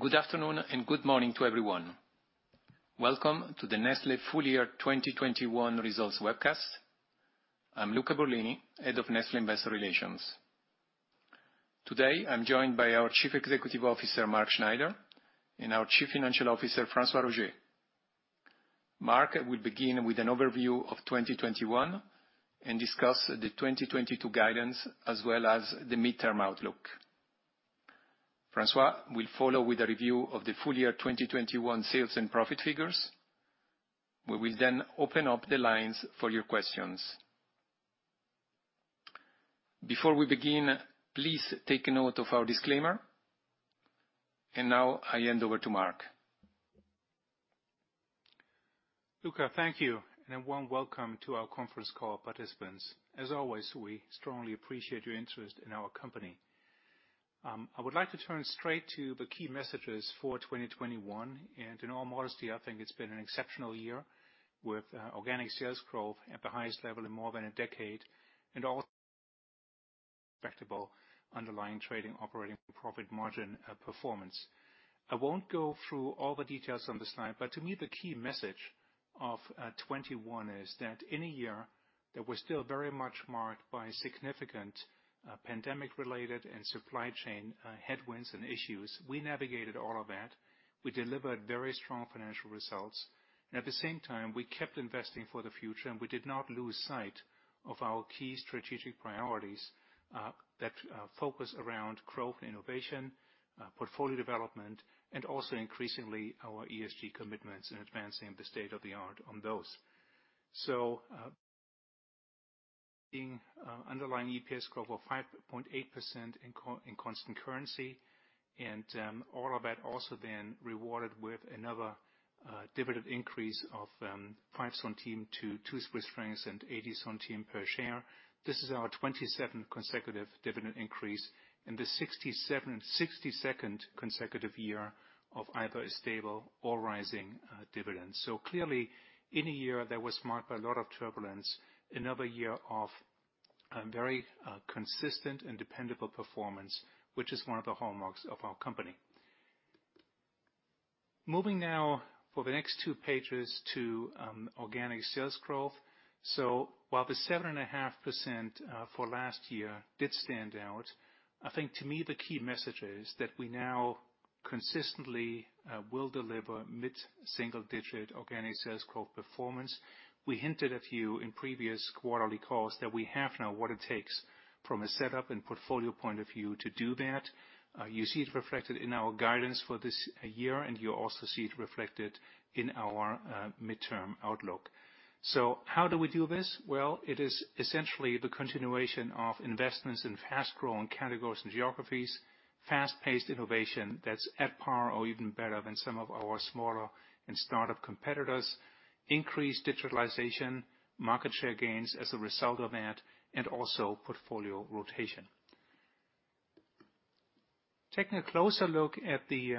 Good afternoon and good morning to everyone. Welcome to the Nestlé full year 2021 results webcast. I'm Luca Borlini, Head of Nestlé Investor Relations. Today, I'm joined by our Chief Executive Officer, Mark Schneider, and our Chief Financial Officer, François Roger. Mark will begin with an overview of 2021 and discuss the 2022 guidance as well as the midterm outlook. François will follow with a review of the full year 2021 sales and profit figures. We will then open up the lines for your questions. Before we begin, please take note of our disclaimer. Now I hand over to Mark. Luca, thank you, and a warm welcome to our conference call participants. As always, we strongly appreciate your interest in our company. I would like to turn straight to the key messages for 2021. In all modesty, I think it's been an exceptional year with organic sales growth at the highest level in more than a decade, and also respectable underlying trading operating profit margin performance. I won't go through all the details on this slide, but to me, the key message of 2021 is that in a year that was still very much marked by significant pandemic related and supply chain headwinds and issues, we navigated all of that. We delivered very strong financial results, and at the same time, we kept investing for the future, and we did not lose sight of our key strategic priorities that focus around growth, innovation, portfolio development, and also increasingly our ESG commitments in advancing the state of the art on those. Underlying EPS growth of 5.8% in constant currency. All of that also then rewarded with another dividend increase of 0.05 to 2.80 Swiss francs per share. This is our 27th consecutive dividend increase and the 62nd consecutive year of either a stable or rising dividend. Clearly in a year that was marked by a lot of turbulence, another year of very consistent and dependable performance, which is one of the hallmarks of our company. Moving now for the next two pages to organic sales growth. While the 7.5% for last year did stand out, I think to me the key message is that we now consistently will deliver mid-single digit organic sales growth performance. We hinted at you in previous quarterly calls that we have now what it takes from a setup and portfolio point of view to do that. You see it reflected in our guidance for this year, and you also see it reflected in our midterm outlook. How do we do this? Well, it is essentially the continuation of investments in fast-growing categories and geographies, fast-paced innovation that's at par or even better than some of our smaller and startup competitors, increased digitalization, market share gains as a result of that, and also portfolio rotation. Taking a closer look at the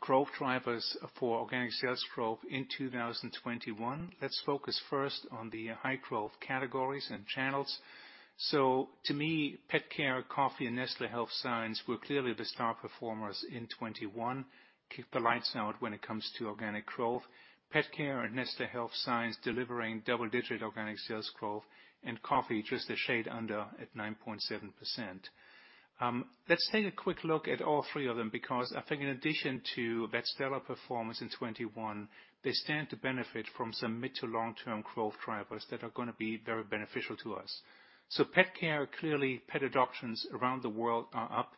growth drivers for organic sales growth in 2021. Let's focus first on the high growth categories and channels. To me, PetCare, coffee and Nestlé Health Science were clearly the star performers in 2021. Keep the lights out when it comes to organic growth, PetCare and Nestlé Health Science delivering double-digit organic sales growth and coffee just a shade under at 9.7%. Let's take a quick look at all three of them because I think in addition to that stellar performance in 2021, they stand to benefit from some mid- to long-term growth drivers that are gonna be very beneficial to us. PetCare, clearly pet adoptions around the world are up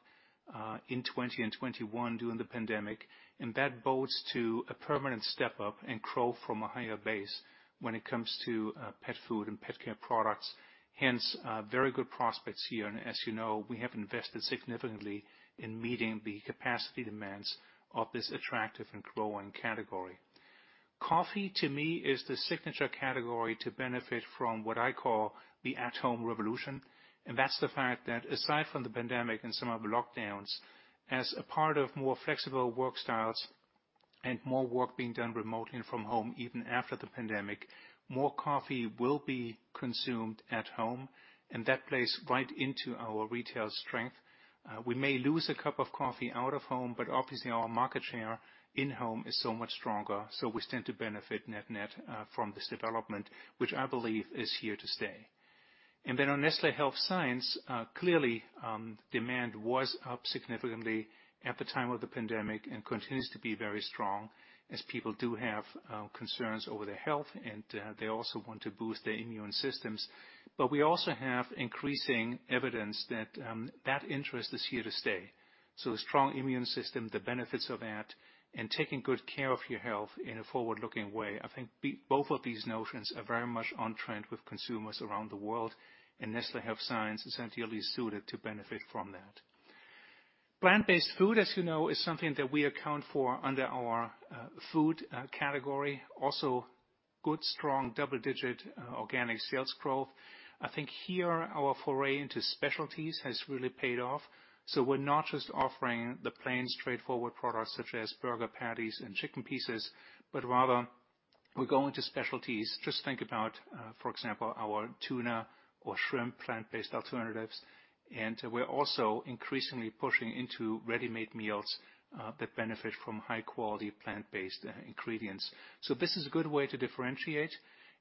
in 2020 and 2021 during the pandemic, and that bodes to a permanent step up and grow from a higher base when it comes to pet food and PetCare products. Hence, very good prospects here. As you know, we have invested significantly in meeting the capacity demands of this attractive and growing category. Coffee, to me, is the signature category to benefit from what I call the at-home revolution. That's the fact that aside from the pandemic and some of the lockdowns as a part of more flexible work styles and more work being done remotely from home, even after the pandemic, more coffee will be consumed at home. That plays right into our retail strength. We may lose a cup of coffee out of home, but obviously our market share in home is so much stronger. We stand to benefit net-net from this development, which I believe is here to stay. Nestlé Health Science, clearly, demand was up significantly at the time of the pandemic and continues to be very strong as people do have concerns over their health, and they also want to boost their immune systems. We also have increasing evidence that that interest is here to stay. The strong immune system, the benefits of that, and taking good care of your health in a forward-looking way. I think both of these notions are very much on trend with consumers around the world, and Nestlé Health Science is ideally suited to benefit from that. Plant-based food, as you know, is something that we account for under our food category. Also good, strong double-digit organic sales growth. I think here our foray into specialties has really paid off. We're not just offering the plain straightforward products such as burger patties and chicken pieces, but rather we go into specialties. Just think about, for example, our tuna or shrimp plant-based alternatives. We're also increasingly pushing into ready-made meals that benefit from high quality plant-based ingredients. This is a good way to differentiate.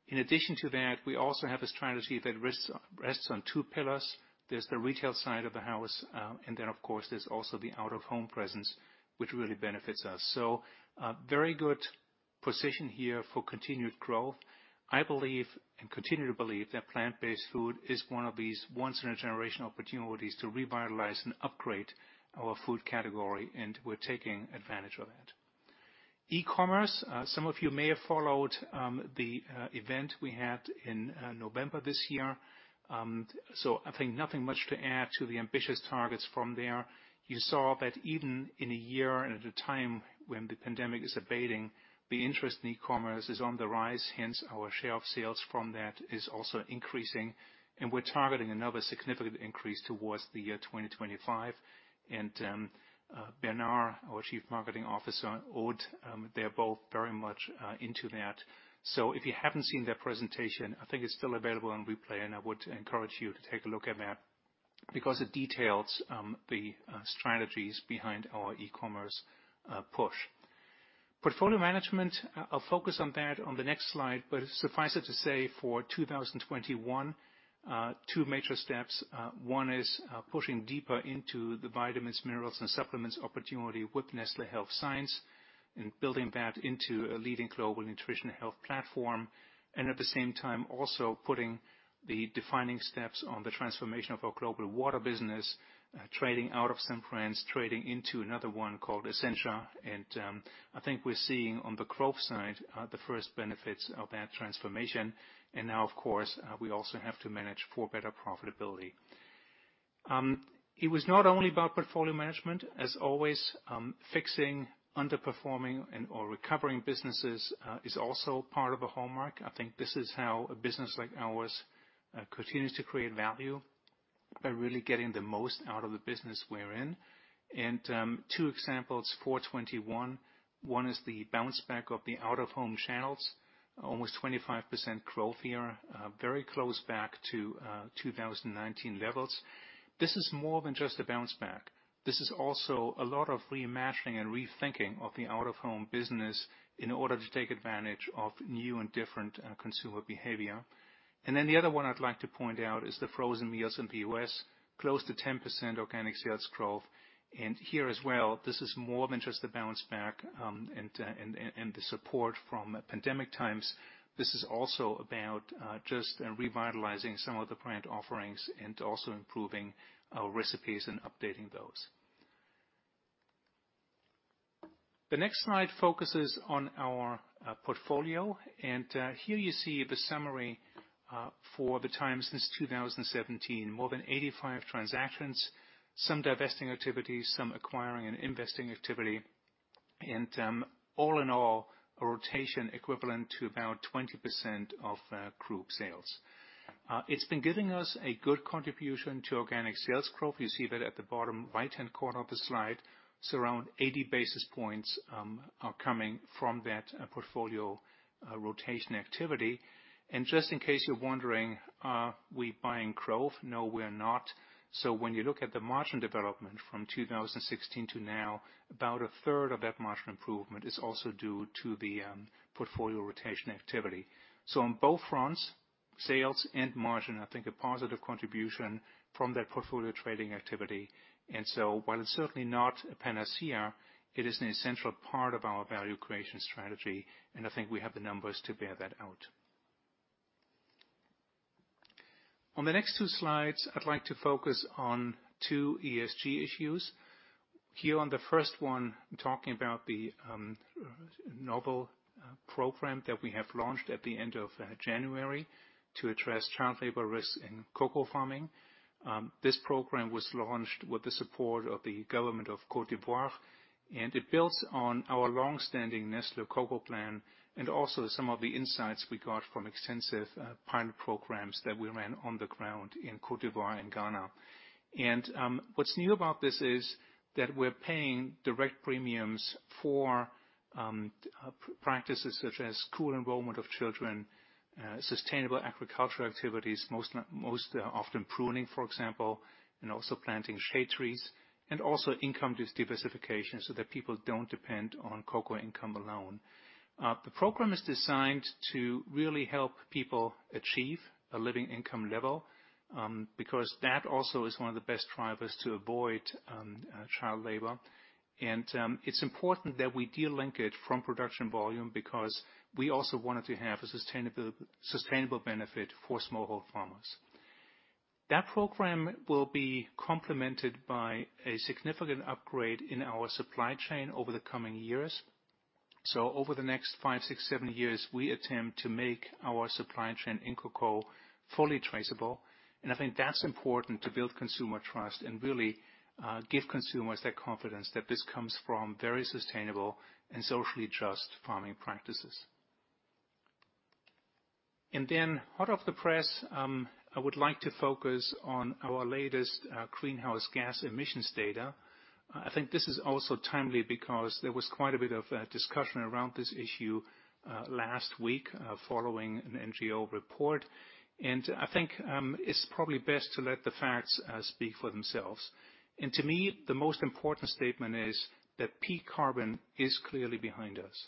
In addition to that, we also have a strategy that rests on two pillars. There's the retail side of the house, and then, of course, there's also the out-of-home presence, which really benefits us. A very good position here for continued growth. I believe, and continue to believe, that plant-based food is one of these once in a generation opportunities to revitalize and upgrade our food category, and we're taking advantage of that. E-commerce, some of you may have followed, the event we had in November this year. I think nothing much to add to the ambitious targets from there. You saw that even in a year and at a time when the pandemic is abating, the interest in e-commerce is on the rise, hence, our share of sales from that is also increasing. We're targeting another significant increase towards the year 2025. Bernard, our Chief Marketing Officer, Aude, they're both very much into that. If you haven't seen their presentation, I think it's still available on replay, and I would encourage you to take a look at that because it details the strategies behind our e-commerce push. Portfolio management, I'll focus on that on the next slide. Suffice it to say, for 2021, two major steps. One is pushing deeper into the vitamins, minerals, and supplements opportunity with Nestlé Health Science and building that into a leading global nutrition health platform. At the same time, also putting the defining steps on the transformation of our global water business, trading out of S.Pellegrino, trading into another one called Essentia. I think we're seeing on the growth side the first benefits of that transformation. Now, of course, we also have to manage for better profitability. It was not only about portfolio management. As always, fixing underperforming and/or recovering businesses is also part of a hallmark. I think this is how a business like ours continues to create value by really getting the most out of the business we're in. Two examples for 2021. One is the bounce back of the out-of-home channels. Almost 25% growth here, very close back to 2019 levels. This is more than just a bounce back. This is also a lot of reimagining and rethinking of the out-of-home business in order to take advantage of new and different consumer behavior. The other one I'd like to point out is the frozen meals in the U.S. Close to 10% organic sales growth. Here as well, this is more than just a bounce back, and the support from pandemic times. This is also about just revitalizing some of the brand offerings and also improving our recipes and updating those. The next slide focuses on our portfolio. Here you see the summary for the time since 2017. More than 85 transactions, some divesting activities, some acquiring and investing activity. All in all, a rotation equivalent to about 20% of group sales. It's been giving us a good contribution to organic sales growth. You see that at the bottom right-hand corner of the slide. It's around 80 basis points are coming from that portfolio rotation activity. Just in case you're wondering, are we buying growth? No, we're not. When you look at the margin development from 2016 to now, about a third of that margin improvement is also due to the portfolio rotation activity. On both fronts, sales and margin, I think a positive contribution from that portfolio trading activity. While it's certainly not a panacea, it is an essential part of our value creation strategy, and I think we have the numbers to bear that out. On the next two slides, I'd like to focus on two ESG issues. Here on the first one, talking about the novel program that we have launched at the end of January to address child labor risks in cocoa farming. This program was launched with the support of the government of Côte d'Ivoire, and it builds on our long-standing Nestlé Cocoa Plan and also some of the insights we got from extensive pilot programs that we ran on the ground in Côte d'Ivoire and Ghana. What's new about this is that we're paying direct premiums for practices such as school enrollment of children, sustainable agricultural activities, most often pruning, for example, and also planting shade trees, and also income diversification so that people don't depend on cocoa income alone. The program is designed to really help people achieve a living income level, because that also is one of the best drivers to avoid child labor. It's important that we de-link it from production volume because we also wanted to have a sustainable benefit for smallholder farmers. That program will be complemented by a significant upgrade in our supply chain over the coming years. Over the next five, six, seven years, we attempt to make our supply chain in cocoa fully traceable. I think that's important to build consumer trust and really give consumers that confidence that this comes from very sustainable and socially just farming practices. Then hot off the press, I would like to focus on our latest greenhouse gas emissions data. I think this is also timely because there was quite a bit of discussion around this issue last week following an NGO report. I think it's probably best to let the facts speak for themselves. To me, the most important statement is that peak carbon is clearly behind us.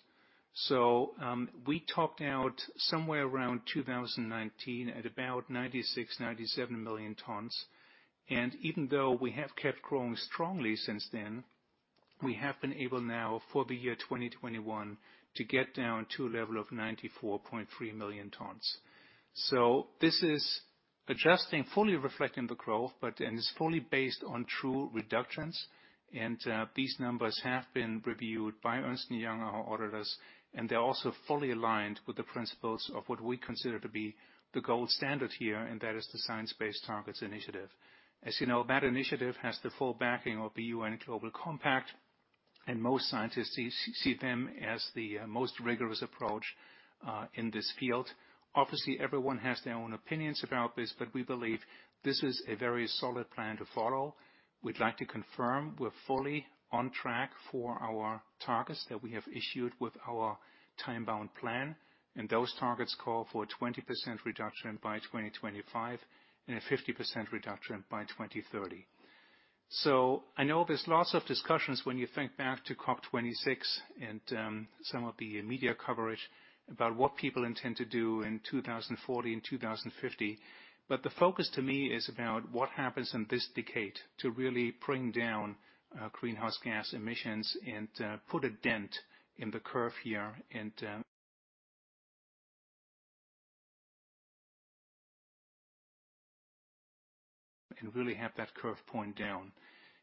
We topped out somewhere around 2019 at about 96-97 million tons. Even though we have kept growing strongly since then, we have been able now for the year 2021 to get down to a level of 94.3 million tons. This is adjusting, fully reflecting the growth, but it's fully based on true reductions, and these numbers have been reviewed by Ernst & Young, our auditors, and they're also fully aligned with the principles of what we consider to be the gold standard here, and that is the Science Based Targets initiative. As you know, that initiative has the full backing of the UN Global Compact, and most scientists see them as the most rigorous approach in this field. Obviously, everyone has their own opinions about this, but we believe this is a very solid plan to follow. We'd like to confirm we're fully on track for our targets that we have issued with our time-bound plan, and those targets call for a 20% reduction by 2025 and a 50% reduction by 2030. I know there's lots of discussions when you think back to COP26 and some of the media coverage about what people intend to do in 2040 and 2050. The focus to me is about what happens in this decade to really bring down greenhouse gas emissions and put a dent in the curve here and really have that curve point down.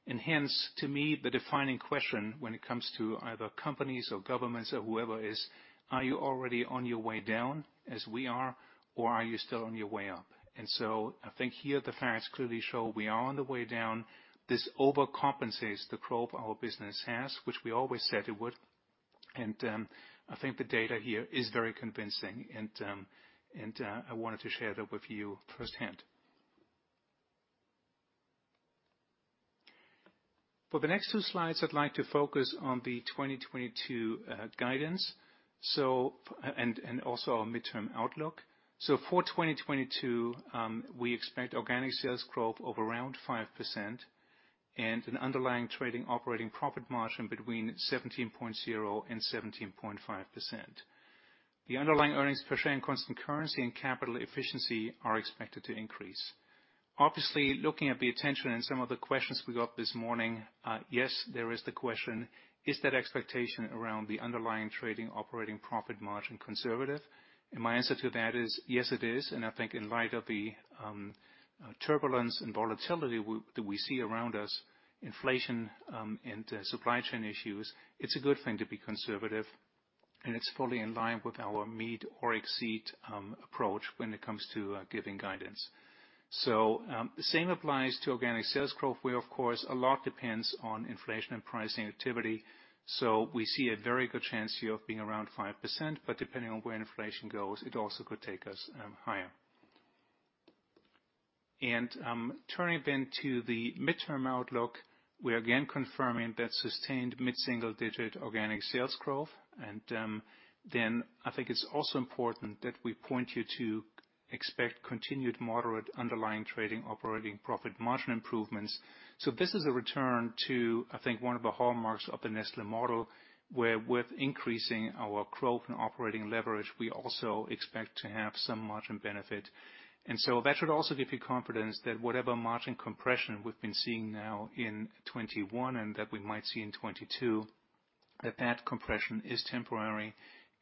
Hence, to me, the defining question when it comes to either companies or governments or whoever is, are you already on your way down, as we are, or are you still on your way up? I think here the facts clearly show we are on the way down. This overcompensates the growth our business has, which we always said it would. I think the data here is very convincing, and I wanted to share that with you firsthand. For the next two slides, I'd like to focus on the 2022 guidance and also our midterm outlook. For 2022, we expect organic sales growth of around 5% and an underlying trading operating profit margin between 17.0% and 17.5%. The underlying earnings per share in constant currency and capital efficiency are expected to increase. Obviously, looking at the attention and some of the questions we got this morning, yes, there is the question, is that expectation around the underlying trading operating profit margin conservative? My answer to that is yes, it is. I think in light of the turbulence and volatility that we see around us, inflation, and supply chain issues, it's a good thing to be conservative, and it's fully in line with our meet or exceed approach when it comes to giving guidance. The same applies to organic sales growth, where, of course, a lot depends on inflation and pricing activity. We see a very good chance here of being around 5%, but depending on where inflation goes, it also could take us higher. Turning then to the midterm outlook, we are again confirming that sustained mid-single digit organic sales growth. I think it's also important that we point you to expect continued moderate underlying trading operating profit margin improvements. This is a return to, I think, one of the hallmarks of the Nestlé model, where with increasing our growth and operating leverage, we also expect to have some margin benefit. That should also give you confidence that whatever margin compression we've been seeing now in 2021 and that we might see in 2022, that compression is temporary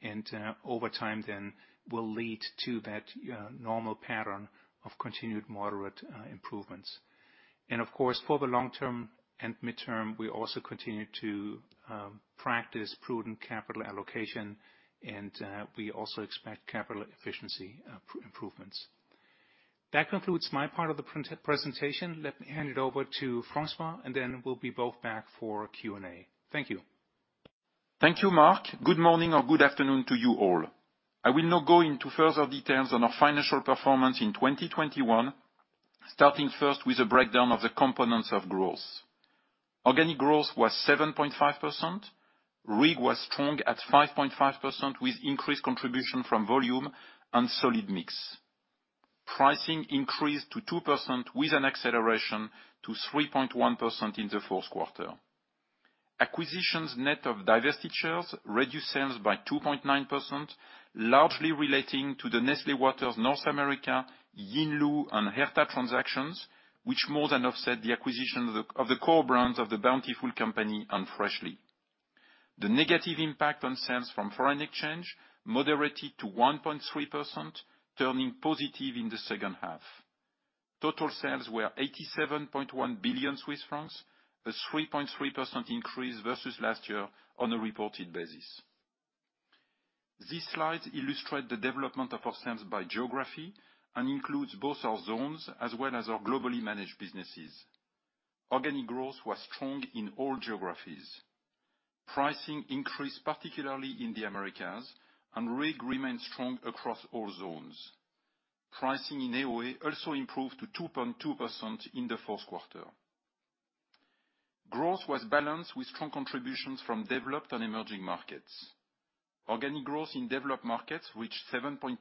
and over time then will lead to that normal pattern of continued moderate improvements. Of course, for the long term and midterm, we also continue to practice prudent capital allocation, and we also expect capital efficiency improvements. That concludes my part of the presentation. Let me hand it over to François, and then we'll be both back for Q&A. Thank you. Thank you, Mark. Good morning or good afternoon to you all. I will now go into further details on our financial performance in 2021, starting first with a breakdown of the components of growth. Organic growth was 7.5%. RIG was strong at 5.5%, with increased contribution from volume and solid mix. Pricing increased to 2% with an acceleration to 3.1% in the fourth quarter. Acquisitions net of divestitures reduced sales by 2.9%, largely relating to the Nestlé Waters North America, Yinlu, and Herta transactions, which more than offset the acquisition of the core brands of The Bountiful Company and Freshly. The negative impact on sales from foreign exchange moderated to 1.3%, turning positive in the second half. Total sales were 87.1 billion Swiss francs, a 3.3% increase versus last year on a reported basis. This slide illustrates the development of our sales by geography and includes both our zones as well as our globally managed businesses. Organic growth was strong in all geographies. Pricing increased particularly in the Americas, and RIG remained strong across all zones. Pricing in AOA also improved to 2.2% in the fourth quarter. Growth was balanced with strong contributions from developed and emerging markets. Organic growth in developed markets reached 7.2%,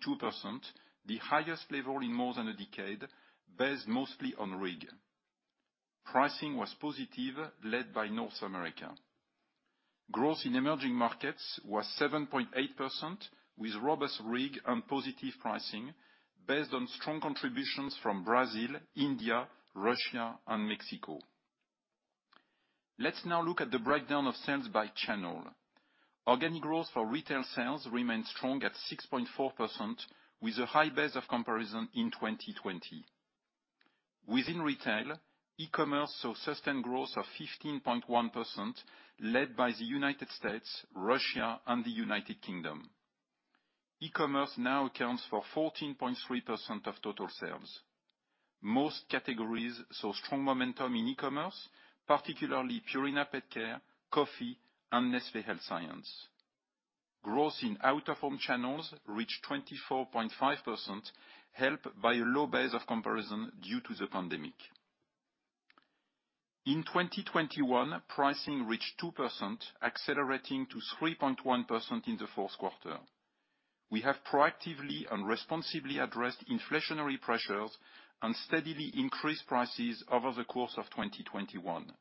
the highest level in more than a decade, based mostly on RIG. Pricing was positive, led by North America. Growth in emerging markets was 7.8%, with robust RIG and positive pricing based on strong contributions from Brazil, India, Russia and Mexico. Let's now look at the breakdown of sales by channel. Organic growth for retail sales remained strong at 6.4% with a high base of comparison in 2020. Within retail, e-commerce saw sustained growth of 15.1%, led by the United States, Russia and the United Kingdom. E-commerce now accounts for 14.3% of total sales. Most categories saw strong momentum in e-commerce, particularly Purina PetCare, coffee and Nestlé Health Science. Growth in out-of-home channels reached 24.5%, helped by a low base of comparison due to the pandemic. In 2021, pricing reached 2%, accelerating to 3.1% in the fourth quarter. We have proactively and responsibly addressed inflationary pressures and steadily increased prices over the course of 2021.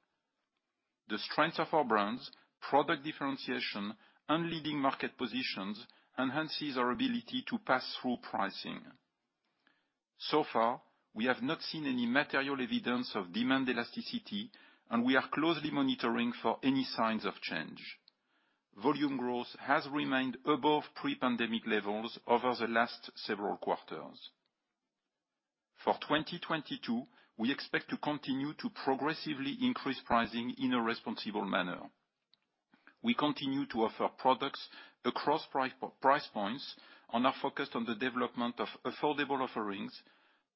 The strength of our brands, product differentiation and leading market positions enhances our ability to pass through pricing. So far, we have not seen any material evidence of demand elasticity, and we are closely monitoring for any signs of change. Volume growth has remained above pre-pandemic levels over the last several quarters. For 2022, we expect to continue to progressively increase pricing in a responsible manner. We continue to offer products across price points and are focused on the development of affordable offerings,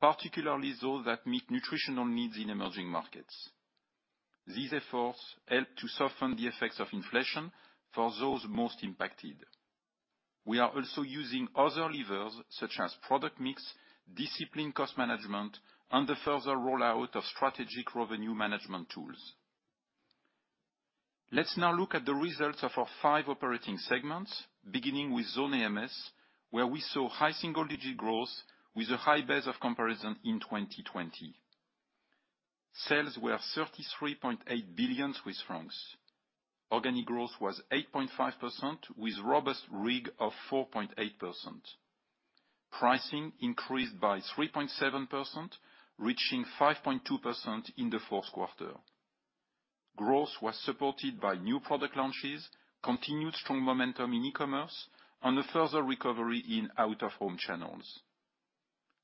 particularly those that meet nutritional needs in emerging markets. These efforts help to soften the effects of inflation for those most impacted. We are also using other levers such as product mix, disciplined cost management and the further rollout of strategic revenue management tools. Let's now look at the results of our five operating segments, beginning with Zone AMS, where we saw high single-digit growth with a high base of comparison in 2020. Sales were 33.8 billion Swiss francs. Organic growth was 8.5% with robust RIG of 4.8%. Pricing increased by 3.7%, reaching 5.2% in the fourth quarter. Growth was supported by new product launches, continued strong momentum in e-commerce and a further recovery in out-of-home channels.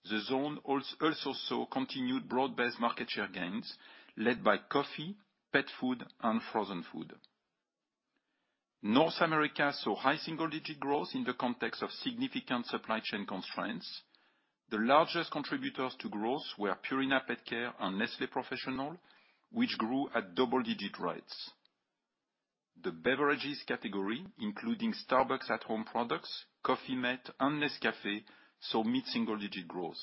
The zone also saw continued broad-based market share gains led by coffee, pet food and frozen food. North America saw high single-digit growth in the context of significant supply chain constraints. The largest contributors to growth were Purina PetCare and Nestlé Professional, which grew at double-digit rates. The beverages category, including Starbucks at Home products, Coffee-mate and Nescafé, saw mid-single-digit growth.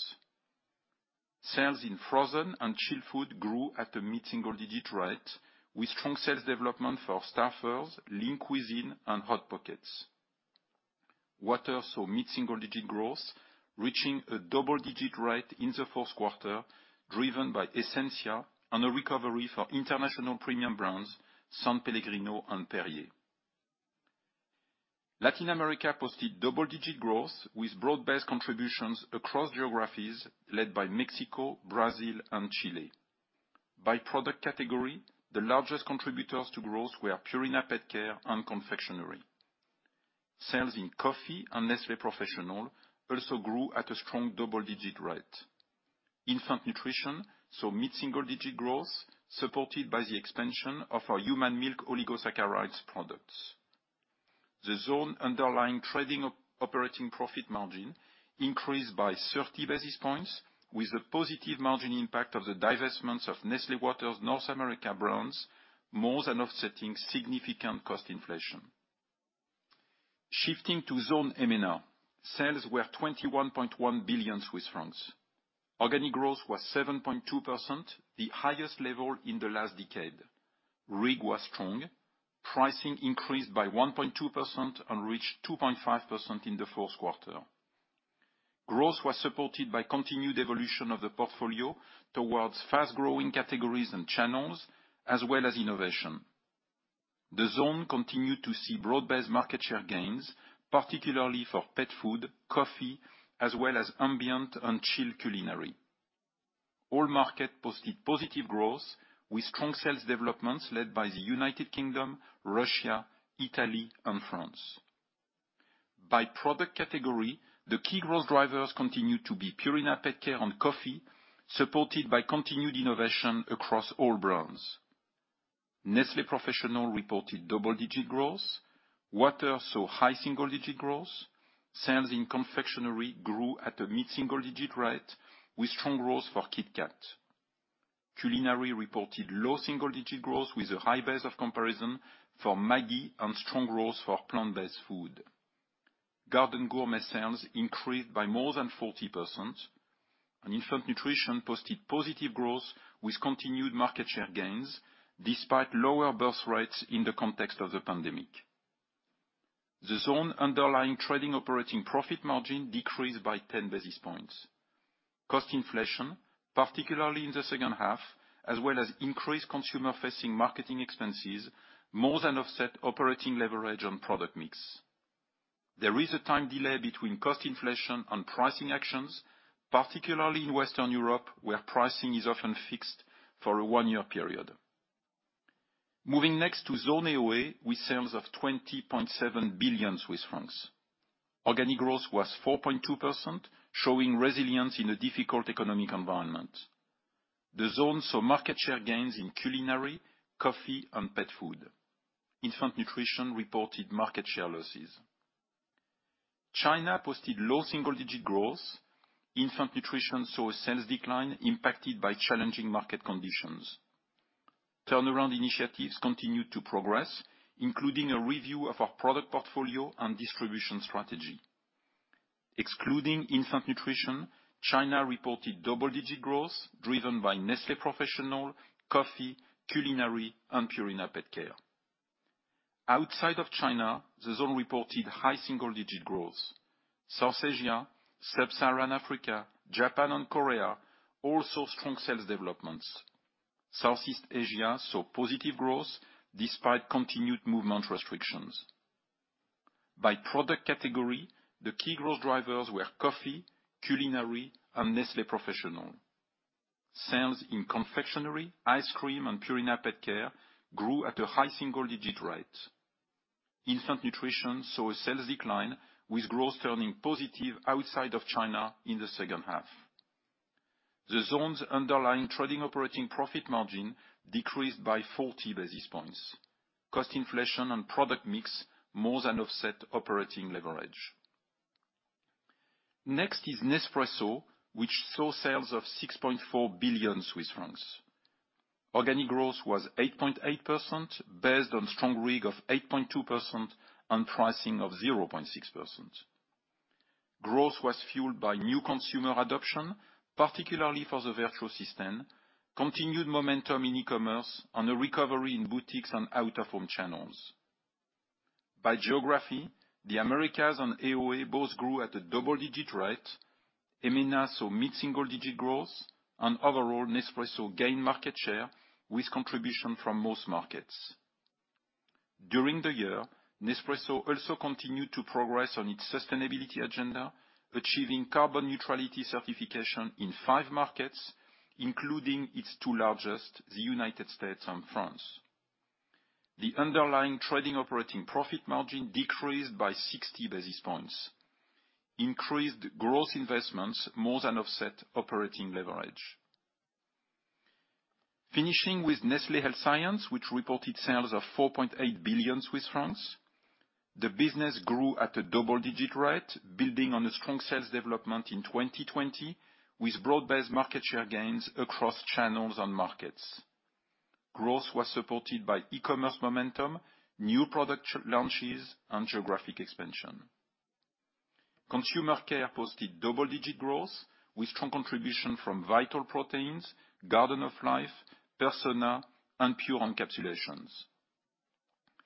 Sales in frozen and chilled food grew at a mid-single-digit rate, with strong sales development for Stouffer's, Lean Cuisine and Hot Pockets. Water saw mid-single-digit growth, reaching a double-digit rate in the fourth quarter, driven by Essentia and a recovery for international premium brands S.Pellegrino and Perrier. Latin America posted double-digit growth with broad-based contributions across geographies led by Mexico, Brazil and Chile. By product category, the largest contributors to growth were Purina PetCare and confectionery. Sales in coffee and Nestlé Professional also grew at a strong double-digit rate. Infant nutrition saw mid-single-digit growth, supported by the expansion of our human milk oligosaccharides products. The zone underlying trading operating profit margin increased by 30 basis points, with a positive margin impact of the divestment of Nestlé Waters North America brands, more than offsetting significant cost inflation. Shifting to zone EMENA. Sales were 21.1 billion Swiss francs. Organic growth was 7.2%, the highest level in the last decade. RIG was strong. Pricing increased by 1.2% and reached 2.5% in the fourth quarter. Growth was supported by continued evolution of the portfolio towards fast growing categories and channels, as well as innovation. The zone continued to see broad-based market share gains, particularly for pet food, coffee as well as ambient and chilled culinary. All markets posted positive growth with strong sales developments led by the United Kingdom, Russia, Italy and France. By product category, the key growth drivers continued to be Purina PetCare and coffee, supported by continued innovation across all brands. Nestlé Professional reported double-digit growth. Water saw high single-digit growth. Sales in confectionery grew at a mid-single-digit rate, with strong growth for KitKat. Culinary reported low single-digit growth with a high base of comparison for Maggi and strong growth for plant-based food. Garden Gourmet sales increased by more than 40%, and infant nutrition posted positive growth with continued market share gains despite lower birth rates in the context of the pandemic. The zone underlying trading operating profit margin decreased by ten basis points. Cost inflation, particularly in the second half, as well as increased consumer-facing marketing expenses, more than offset operating leverage on product mix. There is a time delay between cost inflation and pricing actions, particularly in Western Europe, where pricing is often fixed for a one-year period. Moving next to Zone AOA, with sales of 20.7 billion Swiss francs. Organic growth was 4.2%, showing resilience in a difficult economic environment. The ze saw market share gains in culinary, coffee, and pet food. Infant nutrition reported market share losses. China posted low single-digit growth. Infant nutrition saw a sales decline impacted by challenging market conditions. Turnaround initiatives continued to progress, including a review of our product portfolio and distribution strategy. Excluding infant nutrition, China reported double-digit growth driven by Nestlé Professional, coffee, culinary, and Purina PetCare. Outside of China, the zone reported high single-digit growth. South Asia, Sub-Saharan Africa, Japan and Korea also strong sales developments. Southeast Asia saw positive growth despite continued movement restrictions. By product category, the key growth drivers were coffee, culinary, and Nestlé Professional. Sales in confectionery, ice cream, and Purina PetCare grew at a high single digit rate. Infant nutrition saw a sales decline, with growth turning positive outside of China in the second half. The zone's underlying trading operating profit margin decreased by 40 basis points. Cost inflation and product mix more than offset operating leverage. Next is Nespresso, which saw sales of 6.4 billion Swiss francs. Organic growth was 8.8% based on strong RIG of 8.2% and pricing of 0.6%. Growth was fueled by new consumer adoption, particularly for the Vertuo system, continued momentum in e-commerce, and a recovery in boutiques and out-of-home channels. By geography, the Americas and AOA both grew at a double-digit rate. EMEA saw mid-single-digit growth, and overall Nespresso gained market share with contribution from most markets. During the year, Nespresso also continued to progress on its sustainability agenda, achieving carbon neutrality certification in five markets, including its two largest: the United States and France. The underlying trading operating profit margin decreased by 60 basis points, increased gross investments more than offset operating leverage. Finishing with Nestlé Health Science, which reported sales of 4.8 billion Swiss francs. The business grew at a double-digit rate, building on a strong sales development in 2020, with broad-based market share gains across channels and markets. Growth was supported by e-commerce momentum, new product launches, and geographic expansion. Consumer care posted double-digit growth, with strong contribution from Vital Proteins, Garden of Life, Persona, and Pure Encapsulations.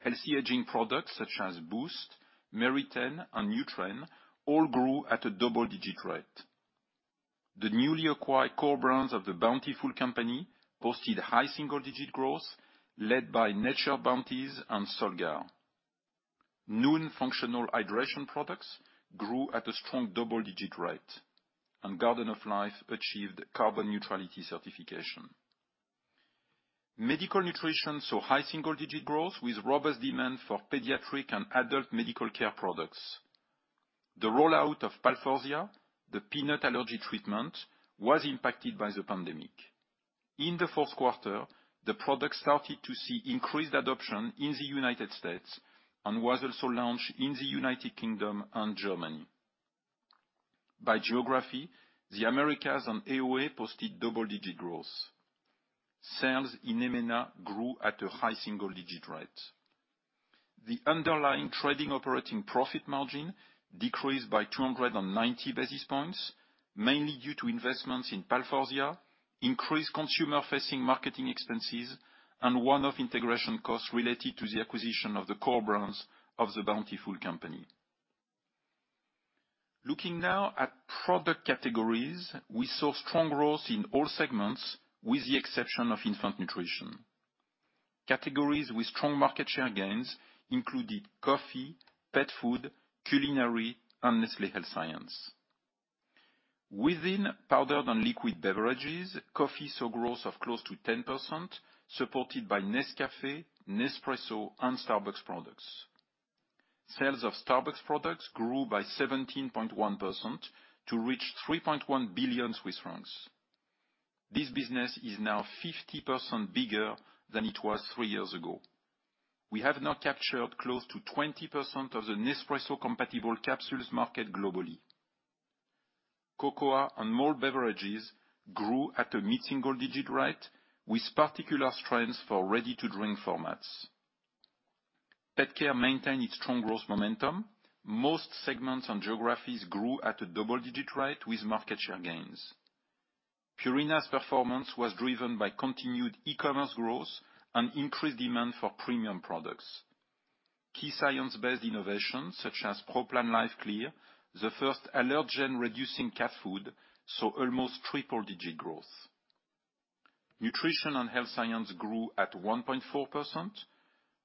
Healthy aging products such as Boost, Meritene, and Nutren all grew at a double-digit rate. The newly acquired core brands of The Bountiful Company posted high single-digit growth led by Nature's Bounty and Solgar. Nuun functional hydration products grew at a strong double-digit rate, and Garden of Life achieved carbon neutrality certification. Medical nutrition saw high single-digit growth with robust demand for pediatric and adult medical care products. The rollout of Palforzia, the peanut allergy treatment, was impacted by the pandemic. In the fourth quarter, the product started to see increased adoption in the United States and was also launched in the United Kingdom and Germany. By geography, the Americas and AOA posted double-digit growth. Sales in EMENA grew at a high single-digit rate. The underlying trading operating profit margin decreased by 290 basis points, mainly due to investments in Palforzia, increased consumer-facing marketing expenses, and one-off integration costs related to the acquisition of the core brands of The Bountiful Company. Looking now at product categories, we saw strong growth in all segments with the exception of infant nutrition. Categories with strong market share gains included coffee, pet food, culinary, and Nestlé Health Science. Within powdered and liquid beverages, coffee saw growth of close to 10%, supported by Nescafé, Nespresso, and Starbucks products. Sales of Starbucks products grew by 17.1% to reach 3.1 billion Swiss francs. This business is now 50% bigger than it was three years ago. We have now captured close to 20% of the Nespresso compatible capsules market globally. Cocoa and malt beverages grew at a mid-single digit rate with particular strengths for ready-to-drink formats. Petcare maintained its strong growth momentum. Most segments and geographies grew at a double-digit rate with market share gains. Purina's performance was driven by continued e-commerce growth and increased demand for premium products. Key science-based innovations, such as Pro Plan LiveClear, the first allergen-reducing cat food, saw almost triple-digit growth. Nestlé Health Science grew at 1.4%.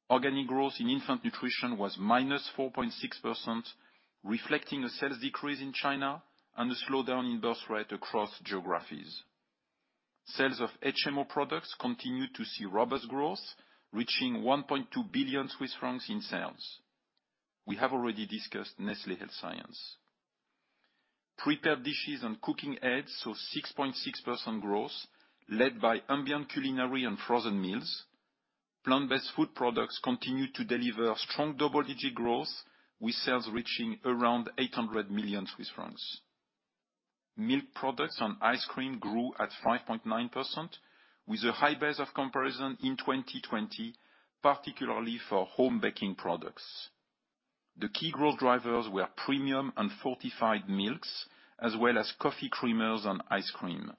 Organic growth in infant nutrition was -4.6%, reflecting a sales decrease in China and a slowdown in birthrate across geographies. Sales of HMO products continued to see robust growth, reaching 1.2 billion Swiss francs in sales. We have already discussed Nestlé Health Science. Prepared dishes and cooking aids saw 6.6% growth, led by ambient culinary and frozen meals. Plant-based food products continued to deliver strong double-digit growth, with sales reaching around 800 million Swiss francs. Milk products and ice cream grew at 5.9% with a high base of comparison in 2020, particularly for home baking products. The key growth drivers were premium and fortified milks, as well as coffee creamers and ice cream.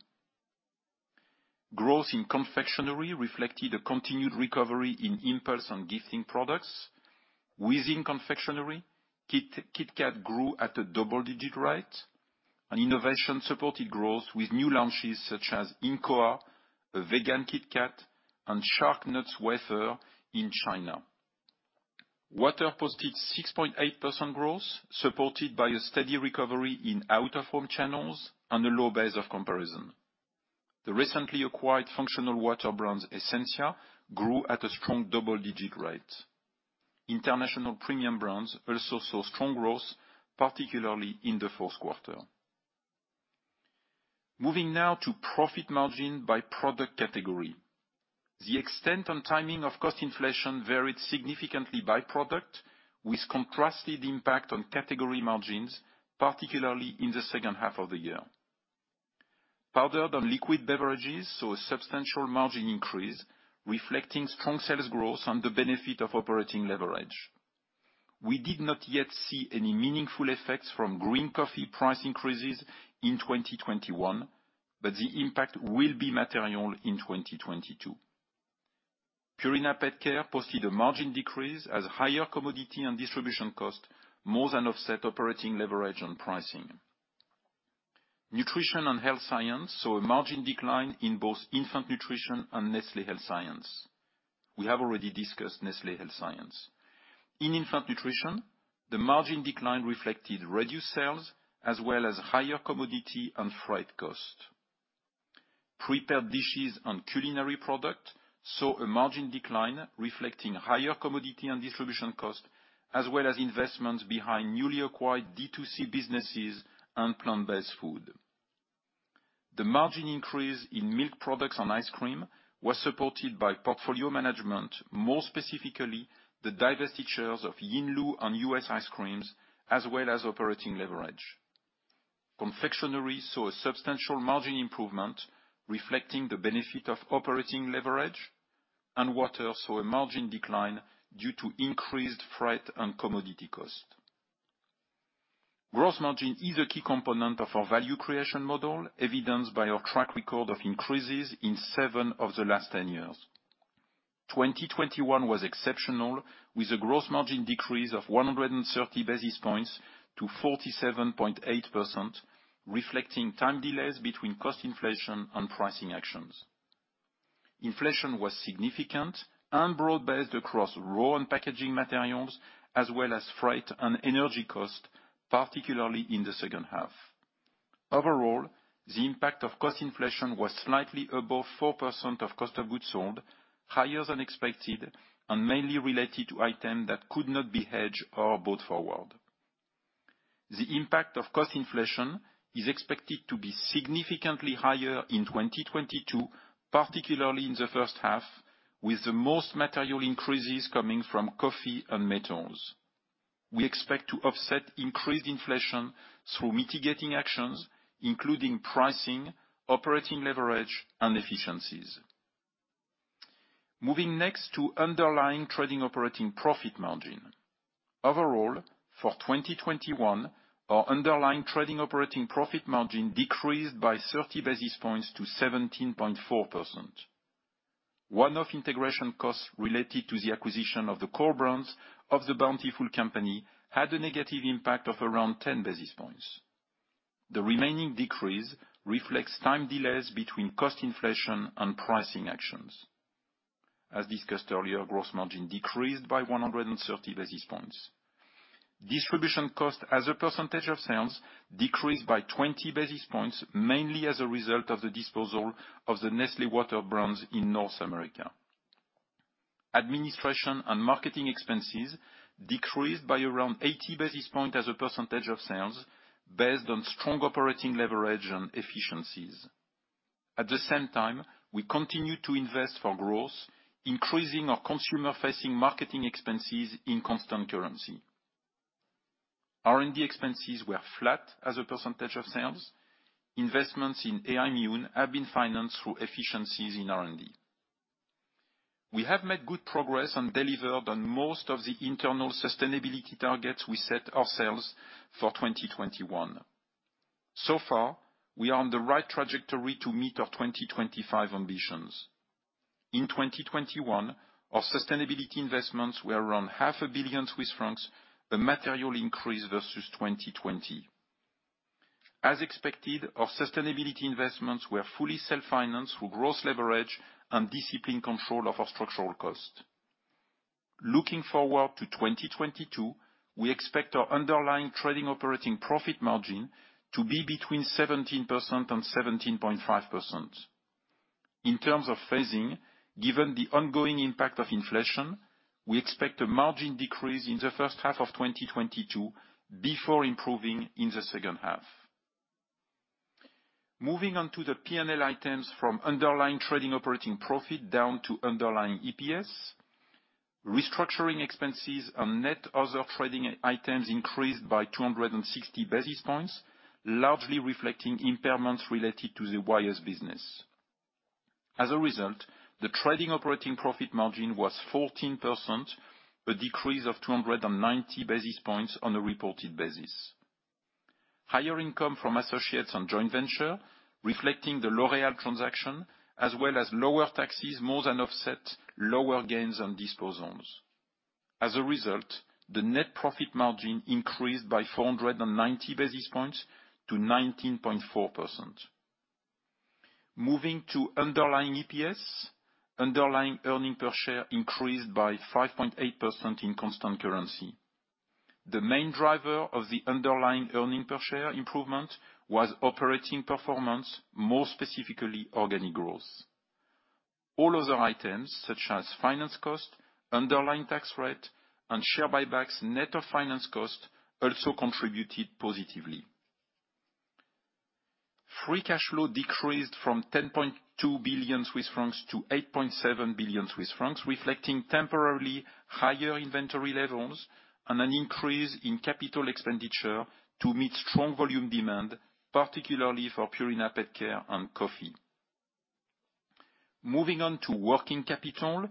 Growth in confectionery reflected a continued recovery in impulse and gifting products. Within confectionery, KitKat grew at a double-digit rate, and innovation supported growth with new launches such as Incoa, a vegan KitKat, and Shark Nuts wafer in China. Water posted 6.8% growth, supported by a steady recovery in out-of-home channels and a low base of comparison. The recently acquired functional water brands Essentia grew at a strong double-digit rate. International premium brands also saw strong growth, particularly in the fourth quarter. Moving now to profit margin by product category. The extent and timing of cost inflation varied significantly by product, with contrasted impact on category margins, particularly in the second half of the year. Powdered and liquid beverages saw a substantial margin increase, reflecting strong sales growth and the benefit of operating leverage. We did not yet see any meaningful effects from green coffee price increases in 2021, but the impact will be material in 2022. Purina PetCare posted a margin decrease as higher commodity and distribution costs more than offset operating leverage on pricing. Nutrition and Health Science saw a margin decline in both infant nutrition and Nestlé Health Science. We have already discussed Nestlé Health Science. In infant nutrition, the margin decline reflected reduced sales as well as higher commodity and freight costs. Prepared dishes and culinary products saw a margin decline reflecting higher commodity and distribution costs, as well as investments behind newly acquired D2C businesses and plant-based food. The margin increase in milk products and ice cream was supported by portfolio management, more specifically, the divestitures of Yinlu and US Ice Creams, as well as operating leverage. Confectionery saw a substantial margin improvement reflecting the benefit of operating leverage, and water saw a margin decline due to increased freight and commodity costs. Gross margin is a key component of our value creation model, evidenced by our track record of increases in seven of the last 10 years. 2021 was exceptional, with a gross margin decrease of 130 basis points to 47.8%, reflecting time delays between cost inflation and pricing actions. Inflation was significant and broad-based across raw and packaging materials as well as freight and energy costs, particularly in the second half. Overall, the impact of cost inflation was slightly above 4% of cost of goods sold, higher than expected and mainly related to items that could not be hedged or bought forward. The impact of cost inflation is expected to be significantly higher in 2022, particularly in the first half, with the most material increases coming from coffee and metals. We expect to offset increased inflation through mitigating actions, including pricing, operating leverage, and efficiencies. Moving next to underlying trading operating profit margin. Overall, for 2021, our underlying trading operating profit margin decreased by 30 basis points to 17.4%. One-off integration costs related to the acquisition of the core brands of the Bountiful Company had a negative impact of around 10 basis points. The remaining decrease reflects time delays between cost inflation and pricing actions. As discussed earlier, gross margin decreased by 130 basis points. Distribution costs as a percentage of sales decreased by 20 basis points, mainly as a result of the disposal of the Nestlé water brands in North America. Administration and marketing expenses decreased by around 80 basis points as a percentage of sales based on strong operating leverage and efficiencies. At the same time, we continue to invest for growth, increasing our consumer-facing marketing expenses in constant currency. R&D expenses were flat as a percentage of sales. Investments in Aimmune have been financed through efficiencies in R&D. We have made good progress and delivered on most of the internal sustainability targets we set ourselves for 2021. So far, we are on the right trajectory to meet our 2025 ambitions. In 2021, our sustainability investments were around 0.5 billion Swiss francs, a material increase versus 2020. As expected, our sustainability investments were fully self-financed through growth leverage and disciplined control of our structural cost. Looking forward to 2022, we expect our underlying trading operating profit margin to be between 17% and 17.5%. In terms of phasing, given the ongoing impact of inflation, we expect a margin decrease in the first half of 2022 before improving in the second half. Moving on to the P&L items from underlying trading operating profit down to underlying EPS. Restructuring expenses and net other trading items increased by 260 basis points, largely reflecting impairments related to the Wyeth business. As a result, the trading operating profit margin was 14%, a decrease of 290 basis points on a reported basis. Higher income from associates on joint venture reflecting the L'Oréal transaction, as well as lower taxes, more than offset lower gains on disposals. As a result, the net profit margin increased by 490 basis points to 19.4%. Moving to underlying EPS. Underlying earnings per share increased by 5.8% in constant currency. The main driver of the underlying earnings per share improvement was operating performance, more specifically organic growth. All other items such as finance cost, underlying tax rate, and share buybacks, net of finance cost, also contributed positively. Free cash flow decreased from 10.2 billion Swiss francs to 8.7 billion Swiss francs, reflecting temporarily higher inventory levels and an increase in capital expenditure to meet strong volume demand, particularly for Purina PetCare and Coffee. Moving on to working capital.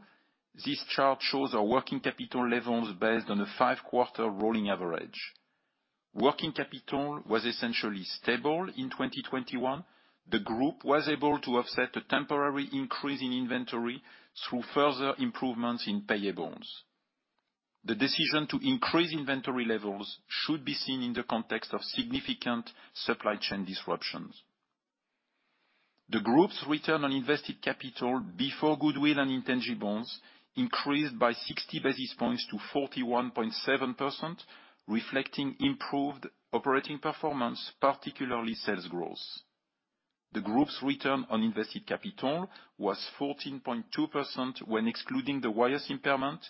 This chart shows our working capital levels based on a five-quarter rolling average. Working capital was essentially stable in 2021. The group was able to offset a temporary increase in inventory through further improvements in payables. The decision to increase inventory levels should be seen in the context of significant supply chain disruptions. The group's return on invested capital before goodwill and intangibles increased by 60 basis points to 41.7%, reflecting improved operating performance, particularly sales growth. The group's return on invested capital was 14.2% when excluding the Wyeth impairment,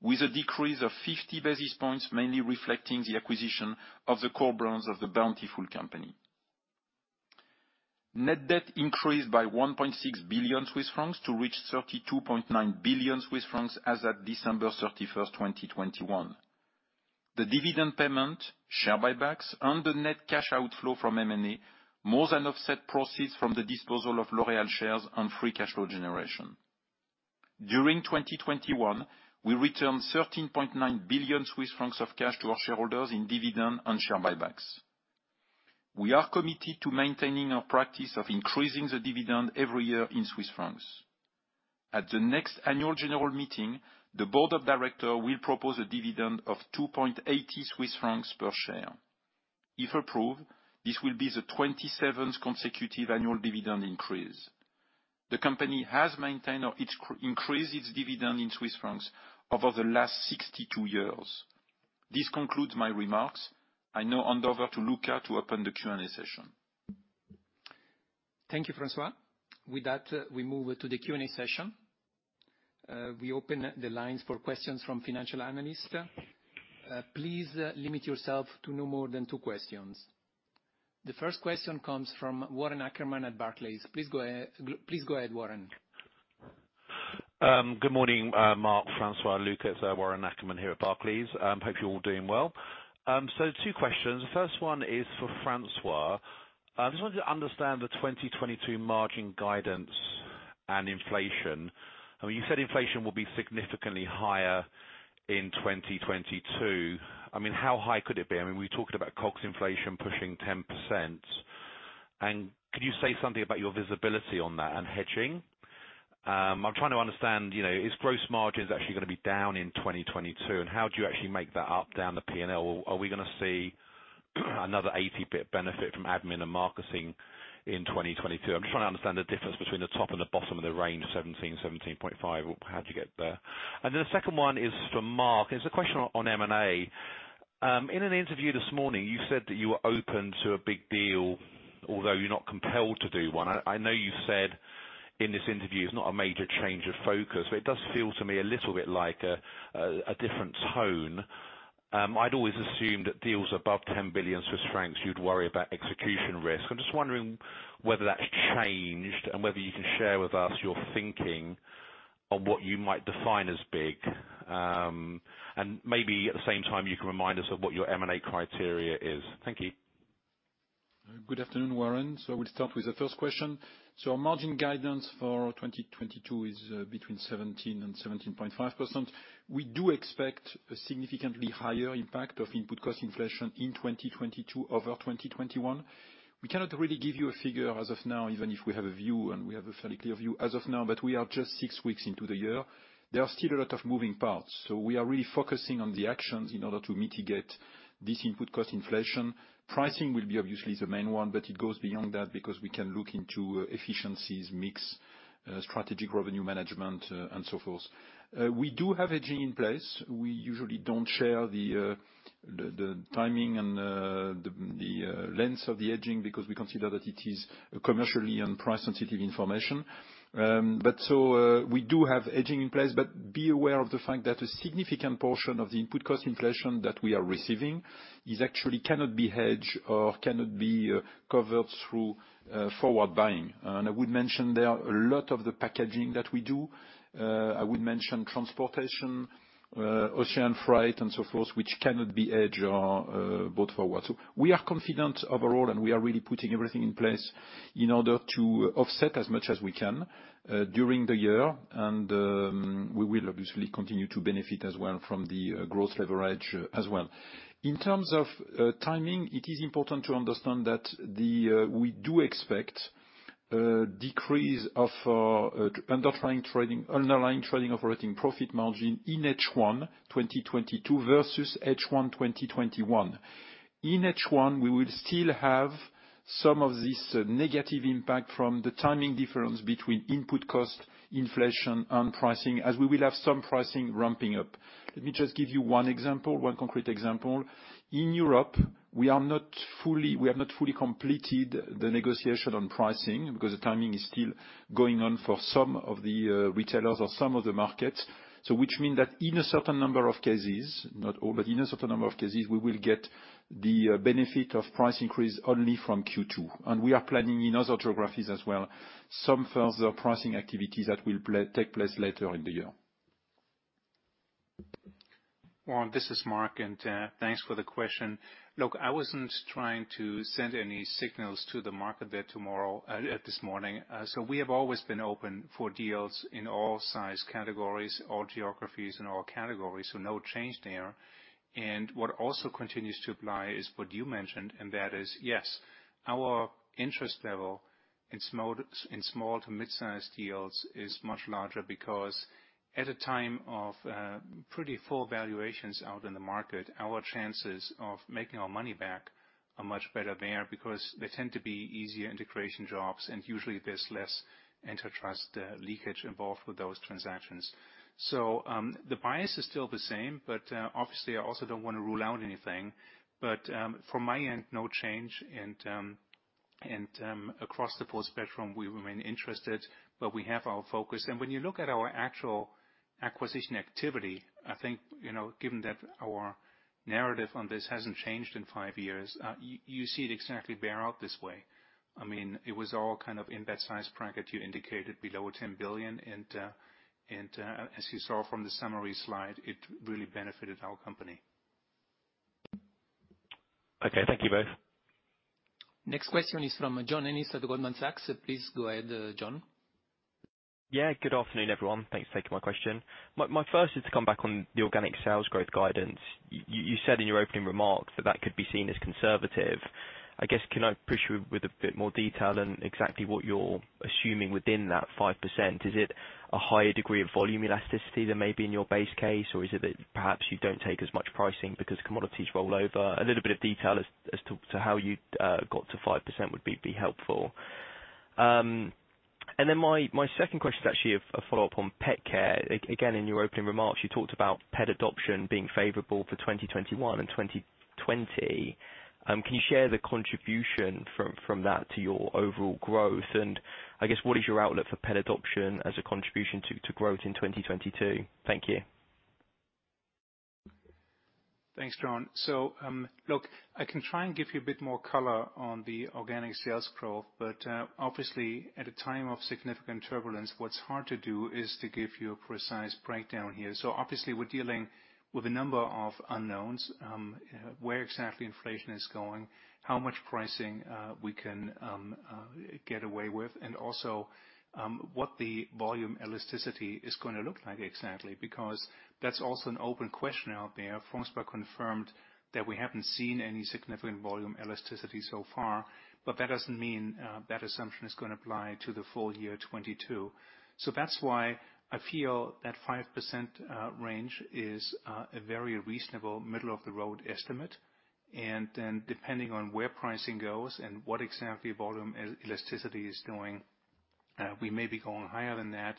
with a decrease of 50 basis points, mainly reflecting the acquisition of the core brands of the Bountiful Company. Net debt increased by 1.6 billion Swiss francs to reach 32.9 billion Swiss francs as of December 31st, 2021. The dividend payment, share buybacks, and the net cash outflow from M&A more than offset proceeds from the disposal of L'Oréal shares and free cash flow generation. During 2021, we returned 13.9 billion Swiss francs of cash to our shareholders in dividend and share buybacks. We are committed to maintaining our practice of increasing the dividend every year in Swiss francs. At the next annual general meeting, the board of director will propose a dividend of 2.80 Swiss francs per share. If approved, this will be the 27th consecutive annual dividend increase. The company has maintained or increased its dividend in Swiss francs over the last 62 years. This concludes my remarks. I now hand over to Luca to open the Q&A session. Thank you, François. With that, we move to the Q&A session. We open the lines for questions from financial analysts. Please limit yourself to no more than two questions. The first question comes from Warren Ackermann at Barclays. Please go ahead, Warren. Good morning, Mark, François, Luca. It's Warren Ackermann here at Barclays. Hope you're all doing well. So two questions. The first one is for François. I just wanted to understand the 2022 margin guidance and inflation. I mean, you said inflation will be significantly higher in 2022. I mean, how high could it be? I mean, we talked about COGS inflation pushing 10%. Could you say something about your visibility on that and hedging? I'm trying to understand, you know, is gross margins actually gonna be down in 2022, and how do you actually make that up down the P&L? Are we gonna see another 80 basis point benefit from admin and marketing in 2022? I'm trying to understand the difference between the top and the bottom of the range, 17%-17.5%. How'd you get there? The second one is for Mark. It's a question on M&A. In an interview this morning you said that you were open to a big deal, although you're not compelled to do one. I know you've said in this interview it's not a major change of focus, but it does feel to me a little bit like a different tone. I'd always assumed that deals above 10 billion Swiss francs, you'd worry about execution risk. I'm just wondering whether that's changed and whether you can share with us your thinking on what you might define as big. And maybe at the same time you can remind us of what your M&A criteria is. Thank you. Good afternoon, Warren. We'll start with the first question. Our margin guidance for 2022 is between 17% and 17.5%. We do expect a significantly higher impact of input cost inflation in 2022 over 2021. We cannot really give you a figure as of now, even if we have a view, and we have a fairly clear view as of now, but we are just six weeks into the year. There are still a lot of moving parts, so we are really focusing on the actions in order to mitigate this input cost inflation. Pricing will be obviously the main one, but it goes beyond that because we can look into efficiencies, mix, strategic revenue management, and so forth. We do have hedging in place. We usually don't share the length of the hedging because we consider that it is commercially and price-sensitive information. We do have hedging in place. Be aware of the fact that a significant portion of the input cost inflation that we are receiving is actually cannot be hedged or cannot be covered through forward buying. I would mention there are a lot of the packaging that we do, transportation, ocean freight and so forth, which cannot be hedged or bought forward. We are confident overall, and we are really putting everything in place in order to offset as much as we can during the year. We will obviously continue to benefit as well from the growth leverage as well. In terms of timing, it is important to understand that we do expect a decrease of underlying trading operating profit margin in H1 2022 versus H1 2021. In H1, we will still have some of this negative impact from the timing difference between input cost inflation and pricing, as we will have some pricing ramping up. Let me just give you one example, one concrete example. In Europe, we have not fully completed the negotiation on pricing because the timing is still going on for some of the retailers or some of the markets. Which mean that in a certain number of cases, not all, but in a certain number of cases, we will get the benefit of price increase only from Q2. We are planning in other geographies as well, some further pricing activities that will take place later in the year. Warren, this is Mark, and thanks for the question. Look, I wasn't trying to send any signals to the market there tomorrow, this morning. We have always been open for deals in all size categories or geographies in all categories, so no change there. What also continues to apply is what you mentioned, and that is, yes, our interest level in small to mid-sized deals is much larger because at a time of pretty full valuations out in the market, our chances of making our money back are much better there because they tend to be easier integration jobs, and usually there's less antitrust leakage involved with those transactions. The bias is still the same, but obviously I also don't wanna rule out anything. From my end, no change. Across the full spectrum, we remain interested, but we have our focus. When you look at our actual acquisition activity, I think, you know, given that our narrative on this hasn't changed in five years, you see it exactly bear out this way. I mean, it was all kind of in that size bracket you indicated below 10 billion. As you saw from the summary slide, it really benefited our company. Okay, thank you both. Next question is from John Ennis at Goldman Sachs. Please go ahead, John. Yeah, good afternoon, everyone. Thanks for taking my question. My first is to come back on the organic sales growth guidance. You said in your opening remarks that that could be seen as conservative. I guess, can I push you with a bit more detail on exactly what you're assuming within that 5%? Is it a higher degree of volume elasticity than maybe in your base case? Or is it that perhaps you don't take as much pricing because commodities roll over? A little bit of detail as to how you got to 5% would be helpful. And then my second question is actually a follow-up on PetCare. Again, in your opening remarks, you talked about pet adoption being favorable for 2021 and 2020. Can you share the contribution from that to your overall growth? I guess what is your outlook for pet adoption as a contribution to growth in 2022? Thank you. Thanks, John. Look, I can try and give you a bit more color on the organic sales growth, but obviously, at a time of significant turbulence, what's hard to do is to give you a precise breakdown here. Obviously we're dealing with a number of unknowns, where exactly inflation is going, how much pricing we can get away with, and also, what the volume elasticity is gonna look like exactly, because that's also an open question out there. François-Xavier Roger confirmed that we haven't seen any significant volume elasticity so far, but that doesn't mean that assumption is gonna apply to the full year 2022. That's why I feel that 5% range is a very reasonable middle of the road estimate, then depending on where pricing goes and what exactly volume elasticity is doing. We may be going higher than that,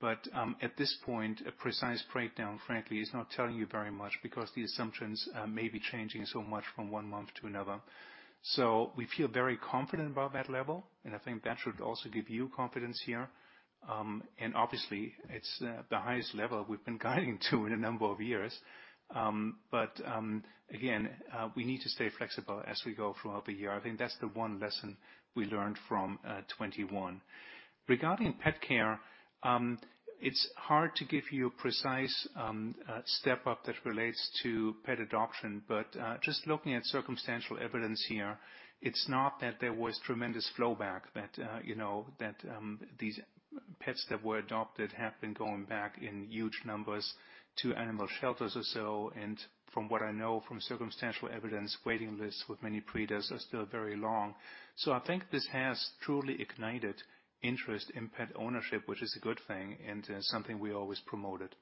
but at this point, a precise breakdown frankly is not telling you very much because the assumptions may be changing so much from one month to another. We feel very confident about that level, and I think that should also give you confidence here. Obviously, it's the highest level we've been guiding to in a number of years. Again, we need to stay flexible as we go throughout the year. I think that's the one lesson we learned from 2021. Regarding PetCare, it's hard to give you a precise step-up that relates to pet adoption. Just looking at circumstantial evidence here, it's not that there was tremendous flow back that these pets that were adopted have been going back in huge numbers to animal shelters or so. From what I know from circumstantial evidence, waiting lists with many breeders are still very long. I think this has truly ignited interest in pet ownership, which is a good thing and something we always promoted.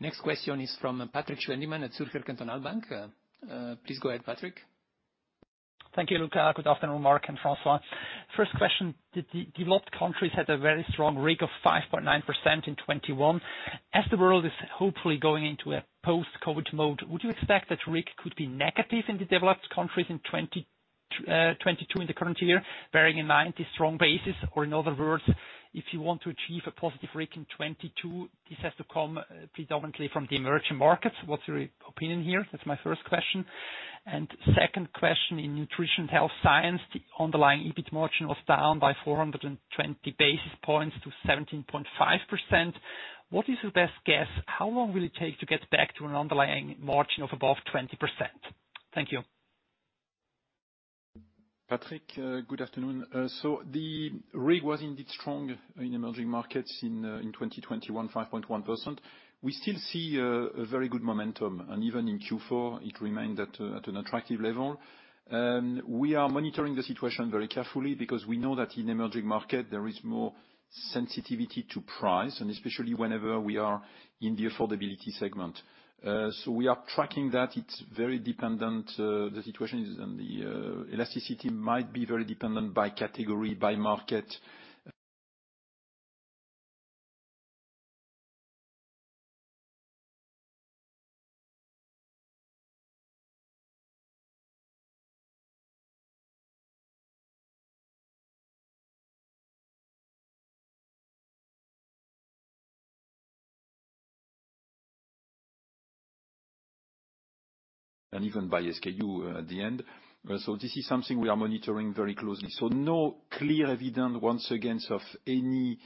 Next question is from Patrik Schwendimann at Zürcher Kantonalbank. Please go ahead, Patrick. Thank you, Luca. Good afternoon, Mark and François. First question, developed countries had a very strong rate of 5.9% in 2021. As the world is hopefully going into a post-COVID mode, would you expect that rate could be negative in the developed countries in 2022, in the current year, bearing in mind the strong basis? Or in other words, if you want to achieve a positive rate in 2022, this has to come predominantly from the emerging markets. What's your opinion here? That's my first question. Second question, in Nestlé Health Science, the underlying EBIT margin was down by 420 basis points to 17.5%. What is your best guess? How long will it take to get back to an underlying margin of above 20%? Thank you. Patrik, good afternoon. The rate was indeed strong in emerging markets in 2021, 5.1%. We still see a very good momentum, and even in Q4, it remained at an attractive level. We are monitoring the situation very carefully because we know that in emerging market, there is more sensitivity to price, and especially whenever we are in the affordability segment. We are tracking that. It's very dependent, the situation is on the elasticity might be very dependent by category, by market. Even by SKU, at the end. This is something we are monitoring very closely. No clear evidence, once again, of any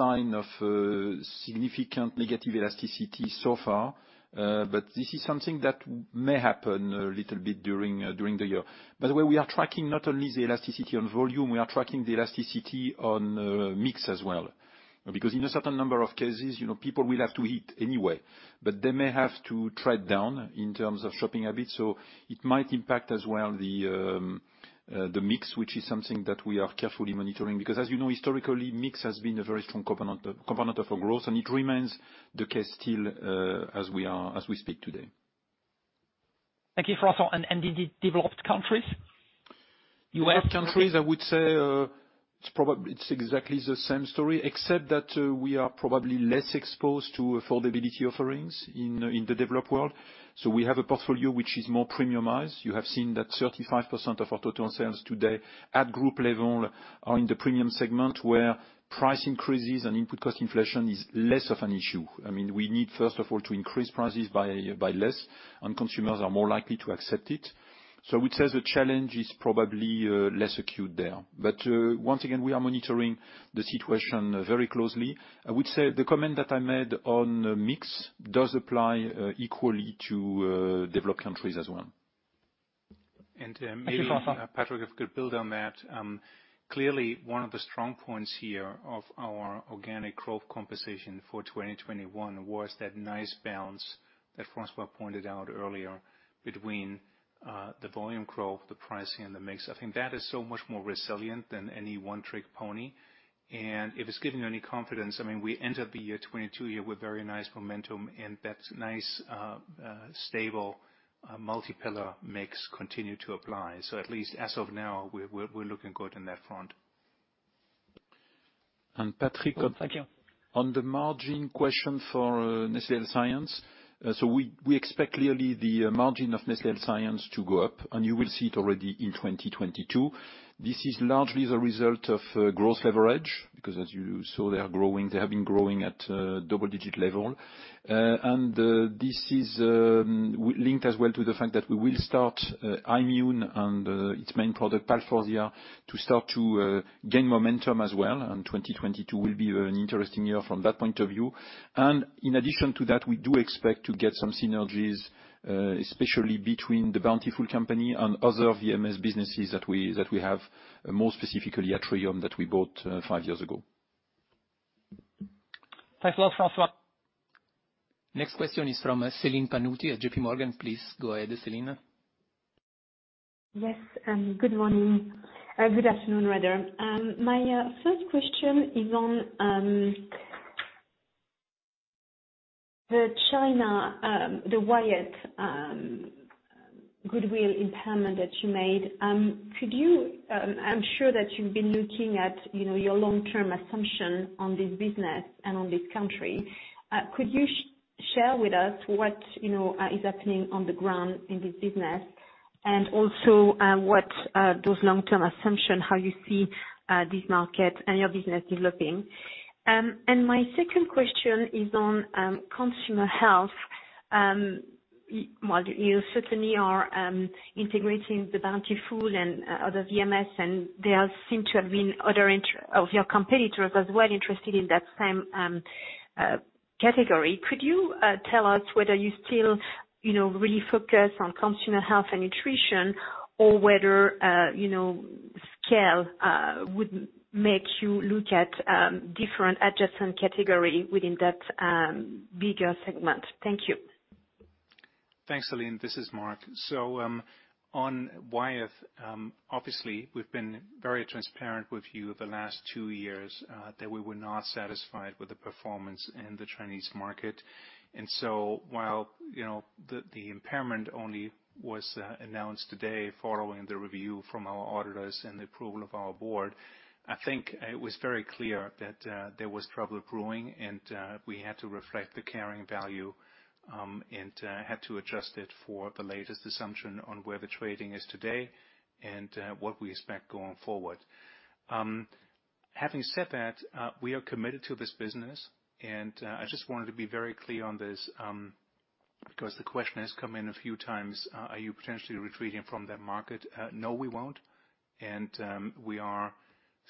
sign of significant negative elasticity so far. This is something that may happen a little bit during the year. By the way, we are tracking not only the elasticity on volume, we are tracking the elasticity on mix as well. Because in a certain number of cases, you know, people will have to eat anyway, but they may have to trade down in terms of shopping habits, so it might impact as well the mix, which is something that we are carefully monitoring. Because as you know, historically, mix has been a very strong component of our growth, and it remains the case still, as we speak today. Thank you, François. The developed countries? US- Developed countries, I would say, it's exactly the same story, except that, we are probably less exposed to affordability offerings in the developed world. We have a portfolio which is more premiumized. You have seen that 35% of our total sales today at group level are in the premium segment, where price increases and input cost inflation is less of an issue. I mean, we need, first of all, to increase prices by less, and consumers are more likely to accept it. I would say the challenge is probably less acute there. Once again, we are monitoring the situation very closely. I would say the comment that I made on mix does apply equally to developed countries as well. And, um- Thank you, François. Maybe, Patrik, if I could build on that. Clearly, one of the strong points here of our organic growth composition for 2021 was that nice balance that François pointed out earlier between the volume growth, the pricing, and the mix. I think that is so much more resilient than any one-trick pony. If it's giving you any confidence, I mean, we ended the year 2022 with very nice momentum, and that nice stable multi-pillar mix continued to apply. At least as of now, we're looking good in that front. Patrik- Thank you. On the margin question for Nestlé Health Science, we expect clearly the margin of Nestlé Health Science to go up, and you will see it already in 2022. This is largely the result of growth leverage, because as you saw, they are growing. They have been growing at double-digit level. This is linked as well to the fact that we will start Aimmune and its main product, Palforzia, to start to gain momentum as well. 2022 will be an interesting year from that point of view. In addition to that, we do expect to get some synergies, especially between the Bountiful Company and other VMS businesses that we have, more specifically Atrium, that we bought five years ago. Thanks a lot, François. Next question is from Celine Pannuti at JPMorgan. Please go ahead, Celine. Yes, good morning. Good afternoon, rather. My first question is on the China, the Wyeth goodwill impairment that you made. I'm sure that you've been looking at, you know, your long-term assumption on this business and on this country. Could you share with us what you know is happening on the ground in this business? And also, what those long-term assumptions, how you see this market and your business developing. My second question is on consumer health. Well, you certainly are integrating the Bountiful and other VMS, and there seem to have been other interests from your competitors as well interested in that same category. Could you tell us whether you still, you know, really focus on consumer health and nutrition, or whether, you know, scale would make you look at different adjacent category within that bigger segment? Thank you. Thanks, Celine. This is Mark. On Wyeth, obviously we've been very transparent with you the last two years that we were not satisfied with the performance in the Chinese market. While, you know, the impairment only was announced today following the review from our auditors and the approval of our board, I think it was very clear that there was trouble brewing and we had to reflect the carrying value and had to adjust it for the latest assumption on where the trading is today and what we expect going forward. Having said that, we are committed to this business, and I just wanted to be very clear on this because the question has come in a few times. Are you potentially retreating from that market? No, we won't. We are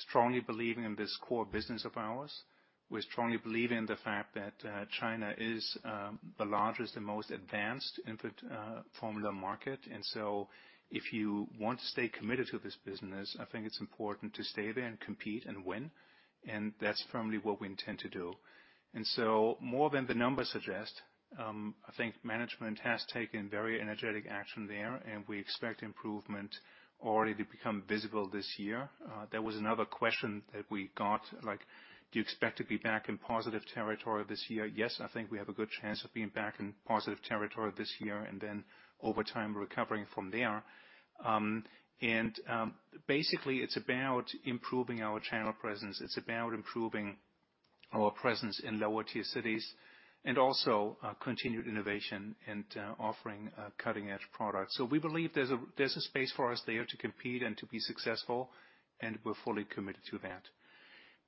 strongly believing in this core business of ours. We strongly believe in the fact that China is the largest and most advanced infant formula market. If you want to stay committed to this business, I think it's important to stay there and compete and win, and that's firmly what we intend to do. More than the numbers suggest, I think management has taken very energetic action there, and we expect improvement already to become visible this year. There was another question that we got, like, do you expect to be back in positive territory this year? Yes, I think we have a good chance of being back in positive territory this year and then over time recovering from there. Basically it's about improving our channel presence. It's about improving our presence in lower tier cities and also continued innovation and offering cutting-edge products. We believe there's a space for us there to compete and to be successful, and we're fully committed to that.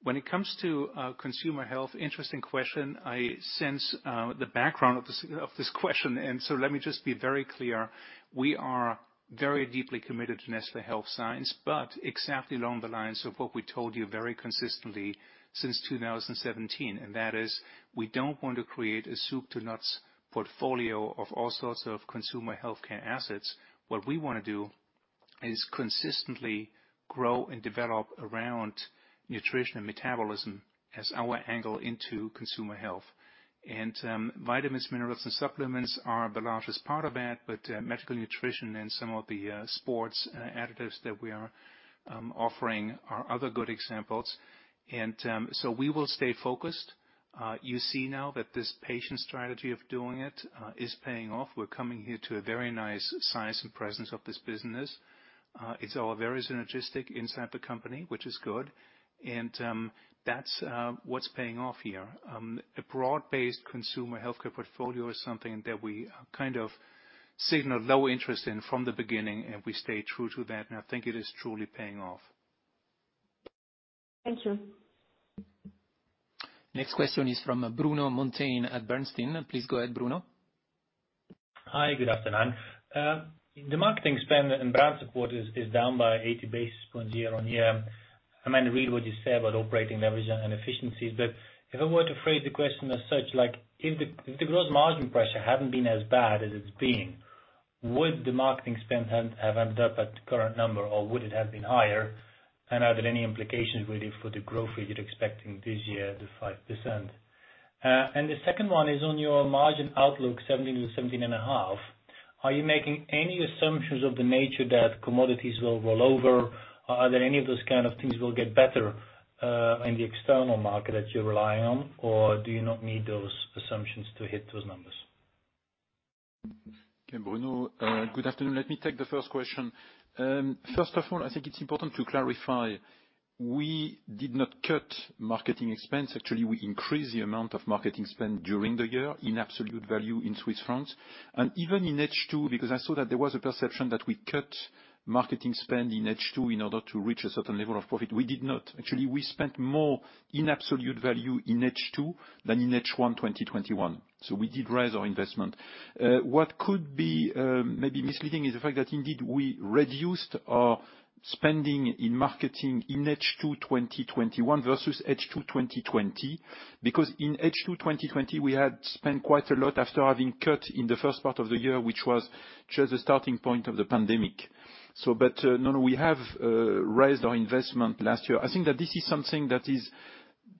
When it comes to consumer health, interesting question. I sense the background of this question, and let me just be very clear. We are very deeply committed to Nestlé Health Science, but exactly along the lines of what we told you very consistently since 2017, and that is we don't want to create a soup to nuts portfolio of all sorts of consumer healthcare assets. What we wanna do is consistently grow and develop around nutrition and metabolism as our angle into consumer health. Vitamins, minerals and supplements are the largest part of that, but medical nutrition and some of the sports additives that we are offering are other good examples. We will stay focused. You see now that this patient strategy of doing it is paying off. We're coming here to a very nice size and presence of this business. It's all very synergistic inside the company, which is good. That's what's paying off here. A broad-based consumer healthcare portfolio is something that we kind of signaled low interest in from the beginning, and we stay true to that, and I think it is truly paying off. Thank you. Next question is from Bruno Monteyne at Bernstein. Please go ahead, Bruno. Hi, good afternoon. The marketing spend and brand support is down by 80 basis points year-on-year. I mean, regarding what you say about operating leverage and efficiencies. If I were to phrase the question as such, like, if the gross margin pressure hadn't been as bad as it's been, would the marketing spend have ended up at the current number, or would it have been higher? Are there any implications really for the growth rate you're expecting this year, the 5%? The second one is on your margin outlook, 17%-17.5%. Are you making any assumptions of the nature that commodities will roll over? Are there any of those kind of things that will get better in the external market that you're relying on? Do you not need those assumptions to hit those numbers? Okay, Bruno, good afternoon. Let me take the first question. First of all, I think it's important to clarify, we did not cut marketing expense. Actually, we increased the amount of marketing spend during the year in absolute value in Swiss francs. Even in H2, because I saw that there was a perception that we cut marketing spend in H2 in order to reach a certain level of profit. We did not. Actually, we spent more in absolute value in H2 than in H1 2021. We did raise our investment. What could be maybe misleading is the fact that indeed we reduced our spending in marketing in H2 2021 versus H2 2020. Because in H2 2020, we had spent quite a lot after having cut in the first part of the year, which was just the starting point of the pandemic. No, we have raised our investment last year. I think that this is something that is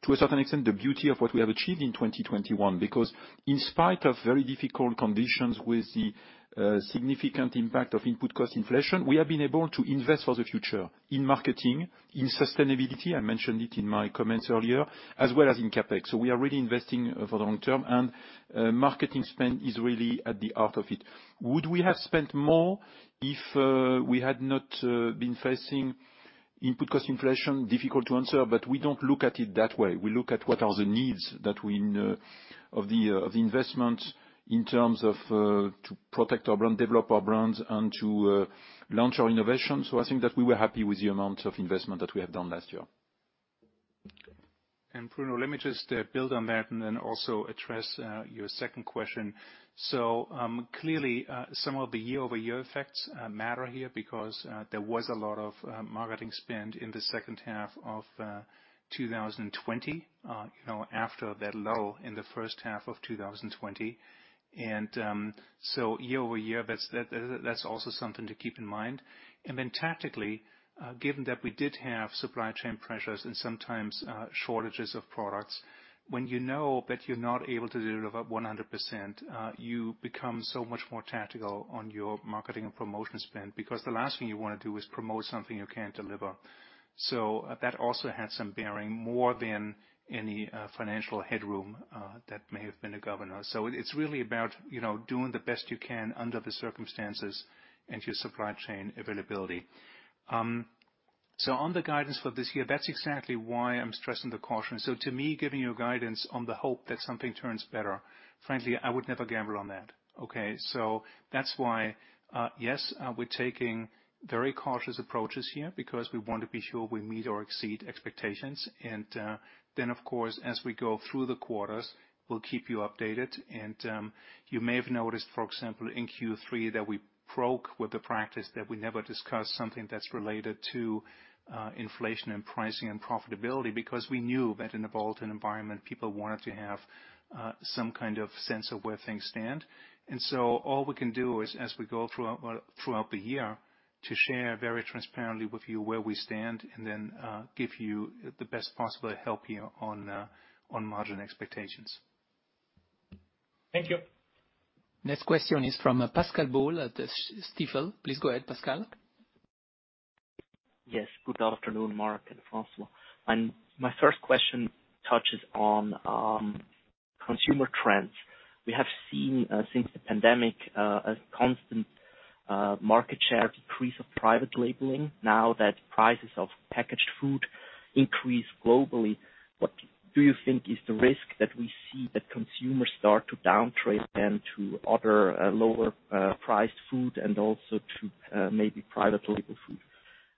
to a certain extent the beauty of what we have achieved in 2021, because in spite of very difficult conditions with the significant impact of input cost inflation, we have been able to invest for the future in marketing, in sustainability. I mentioned it in my comments earlier, as well as in CapEx. We are really investing for the long term, and marketing spend is really at the heart of it. Would we have spent more if we had not been facing input cost inflation? Difficult to answer, but we don't look at it that way. We look at what are the needs that we know of the investment in terms of to protect our brand, develop our brands, and to launch our innovations. I think that we were happy with the amount of investment that we have done last year. Bruno, let me just build on that and then also address your second question. Clearly, some of the year-over-year effects matter here because there was a lot of marketing spend in the second half of 2020. You know, after that low in the first half of 2020. Year-over-year, that's also something to keep in mind. Tactically, given that we did have supply chain pressures and sometimes shortages of products, when you know that you're not able to deliver 100%, you become so much more tactical on your marketing and promotion spend, because the last thing you wanna do is promote something you can't deliver. That also had some bearing more than any financial headroom that may have been a governor. It's really about, you know, doing the best you can under the circumstances and your supply chain availability. On the guidance for this year, that's exactly why I'm stressing the caution. To me, giving you a guidance on the hope that something turns better, frankly, I would never gamble on that, okay? That's why, yes, we're taking very cautious approaches here because we want to be sure we meet or exceed expectations. Then, of course, as we go through the quarters, we'll keep you updated. You may have noticed, for example, in Q3, that we broke with the practice that we never discuss something that's related to inflation and pricing and profitability because we knew that in a volatile environment, people wanted to have some kind of sense of where things stand. All we can do is, as we go throughout the year, to share very transparently with you where we stand and then give you the best possible help you on on margin expectations. Thank you. Next question is from Pascal Boll at Stifel. Please go ahead, Pascal. Yes, good afternoon, Mark and François. My first question touches on consumer trends. We have seen since the pandemic a constant market share decrease of private labeling now that prices of packaged food increase globally. What do you think is the risk that we see that consumers start to downtrade then to other lower priced food and also to maybe private label food?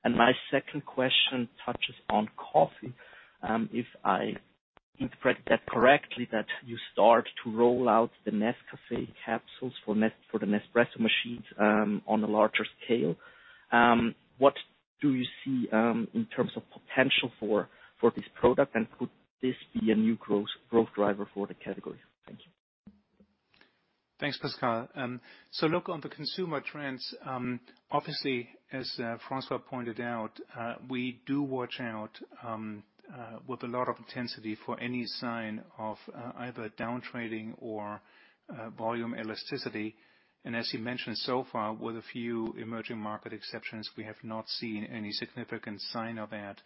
My second question touches on coffee. If I interpret that correctly, that you start to roll out the Nescafé capsules for the Nespresso machines on a larger scale, what do you see in terms of potential for this product, and could this be a new growth driver for the category? Thank you. Thanks, Pascal. Look on the consumer trends, obviously, as François pointed out, we do watch out with a lot of intensity for any sign of either down trading or volume elasticity. As you mentioned, so far, with a few emerging market exceptions, we have not seen any significant sign of that.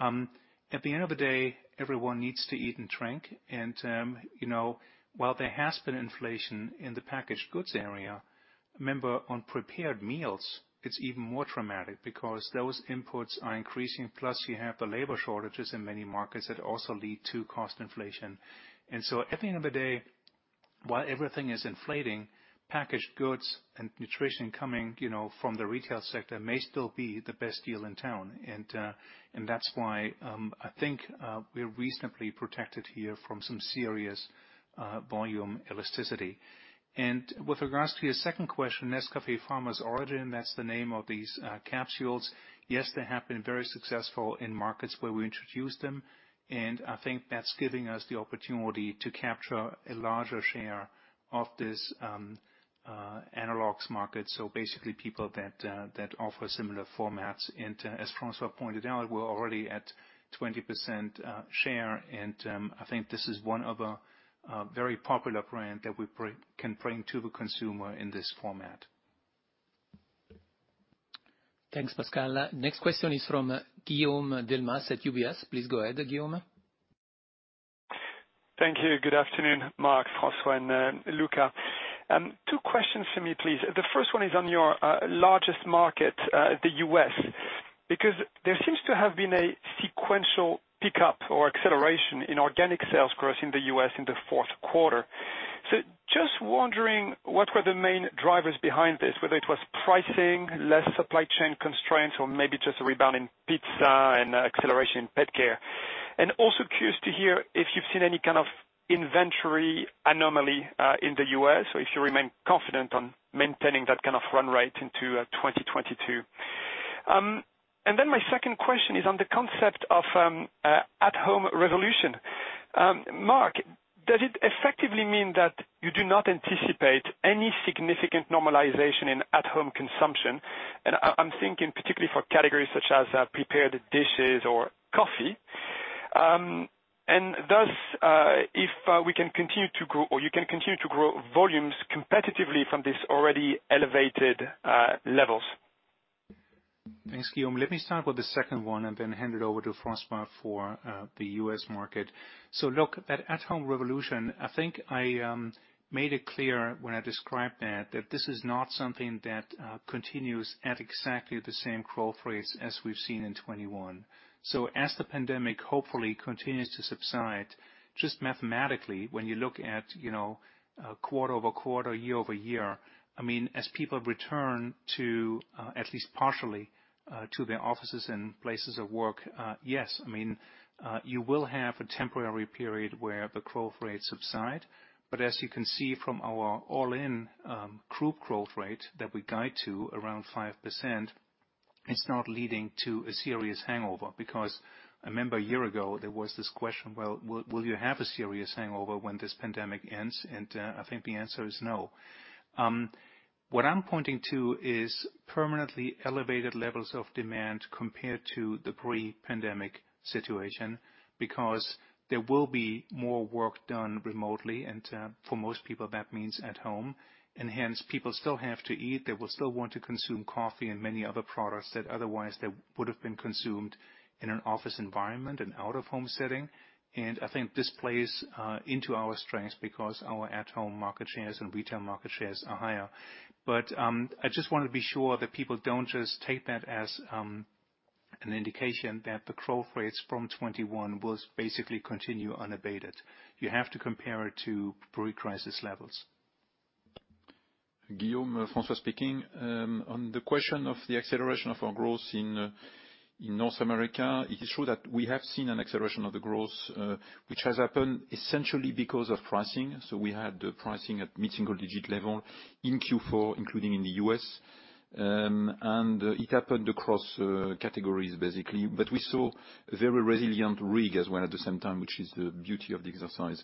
At the end of the day, everyone needs to eat and drink. You know, while there has been inflation in the packaged goods area, remember, on prepared meals, it's even more dramatic because those inputs are increasing, plus you have the labor shortages in many markets that also lead to cost inflation. At the end of the day, while everything is inflating, packaged goods and nutrition coming, you know, from the retail sector may still be the best deal in town. That's why I think we're reasonably protected here from some serious volume elasticity. With regards to your second question, Nescafé Farmers Origins, that's the name of these capsules. Yes, they have been very successful in markets where we introduced them, and I think that's giving us the opportunity to capture a larger share of this analogs market, so basically people that offer similar formats. As François pointed out, we're already at 20% share, and I think this is one of a very popular brand that we can bring to the consumer in this format. Thanks, Pascal. Next question is from Guillaume Delmas at UBS. Please go ahead, Guillaume. Thank you. Good afternoon, Mark, François, and Luca. Two questions for me, please. The first one is on your largest market, the U.S., because there seems to have been a sequential pickup or acceleration in organic sales growth in the U.S. in the fourth quarter. Just wondering what were the main drivers behind this, whether it was pricing, less supply chain constraints, or maybe just a rebound in pizza and acceleration in PetCare. Also curious to hear if you've seen any kind of inventory anomaly in the U.S., or if you remain confident on maintaining that kind of run rate into 2022. My second question is on the concept of an at-home revolution. Mark, does it effectively mean that you do not anticipate any significant normalization in at-home consumption? I'm thinking particularly for categories such as prepared dishes or coffee. Thus, if we can continue to grow or you can continue to grow volumes competitively from this already elevated levels. Thanks, Guillaume. Let me start with the second one and then hand it over to François for the U.S. market. Look, that at-home revolution, I think I made it clear when I described that this is not something that continues at exactly the same growth rate as we've seen in 2021. As the pandemic hopefully continues to subside, just mathematically, when you look at you know quarter-over-quarter, year-over-year, I mean, as people return to at least partially to their offices and places of work, yes. I mean, you will have a temporary period where the growth rates subside. As you can see from our all-in group growth rate that we guide to around 5%, it's not leading to a serious hangover. Because I remember a year ago, there was this question, well, will you have a serious hangover when this pandemic ends? I think the answer is no. What I'm pointing to is permanently elevated levels of demand compared to the pre-pandemic situation, because there will be more work done remotely, and for most people, that means at home. Hence, people still have to eat, they will still want to consume coffee and many other products that otherwise would have been consumed in an office environment, an out-of-home setting. I think this plays into our strengths because our at-home market shares and retail market shares are higher. I just wanna be sure that people don't just take that as an indication that the growth rates from 2021 will basically continue unabated. You have to compare it to pre-crisis levels. Guillaume, François speaking. On the question of the acceleration of our growth in North America, it is true that we have seen an acceleration of the growth, which has happened essentially because of pricing. We had pricing at mid-single digit level in Q4, including in the U.S. It happened across categories, basically. We saw very resilient RIG as well at the same time, which is the beauty of the exercise.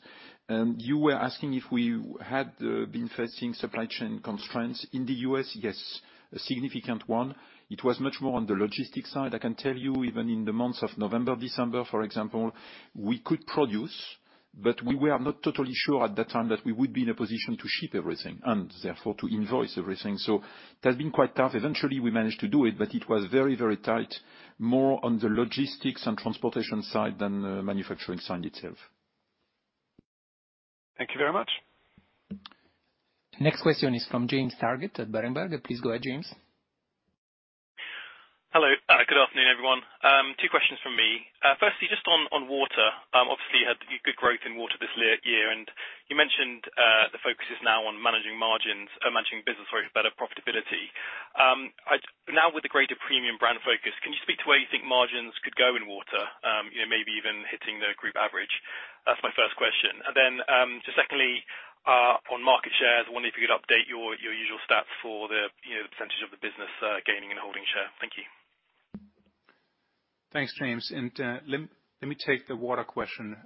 You were asking if we had been facing supply chain constraints. In the U.S., yes, a significant one. It was much more on the logistics side. I can tell you even in the months of November, December, for example, we could produce, but we were not totally sure at that time that we would be in a position to ship everything, and therefore to invoice everything. It has been quite tough. Eventually, we managed to do it, but it was very, very tight, more on the logistics and transportation side than the manufacturing side itself. Thank you very much. Next question is from James Targett at Berenberg. Please go ahead, James. Hello. Good afternoon, everyone. Two questions from me. Firstly, just on water. Obviously you had good growth in water this year, and you mentioned the focus is now on managing margins, managing business for better profitability. Now with the greater premium brand focus, can you speak to where you think margins could go in water, you know, maybe even hitting the group average? That's my first question. Then, just secondly, on market shares, wondering if you could update your usual stats for the, you know, the percentage of the business gaining and holding share. Thank you. Thanks, James. Let me take the water question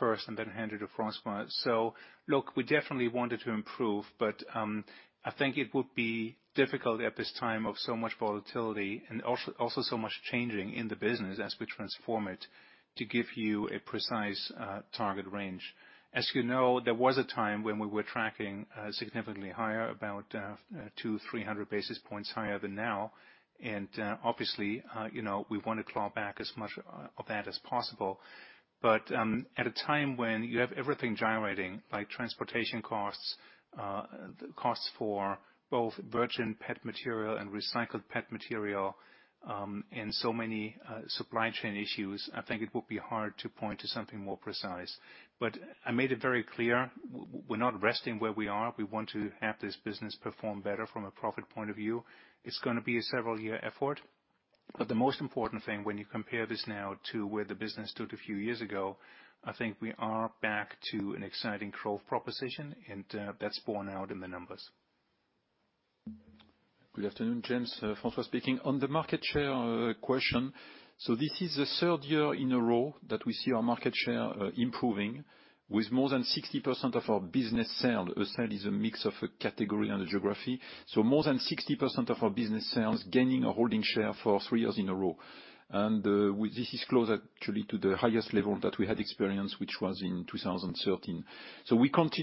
first and then hand it to François. Look, we definitely wanted to improve, but I think it would be difficult at this time of so much volatility and also so much changing in the business as we transform it to give you a precise target range. As you know, there was a time when we were tracking significantly higher, about 200-300 basis points higher than now. Obviously, you know, we wanna claw back as much of that as possible. At a time when you have everything gyrating, like transportation costs for both virgin PET material and recycled PET material, and so many supply chain issues, I think it would be hard to point to something more precise. I made it very clear we're not resting where we are. We want to have this business perform better from a profit point of view. It's gonna be a several year effort. The most important thing when you compare this now to where the business stood a few years ago, I think we are back to an exciting growth proposition, and that's borne out in the numbers. Good afternoon, James. François speaking. On the market share question, this is the third year in a row that we see our market share improving with more than 60% of our business sell. A sell is a mix of a category and a geography. More than 60% of our business sells gaining or holding share for three years in a row. With this is close actually to the highest level that we had experienced, which was in 2013.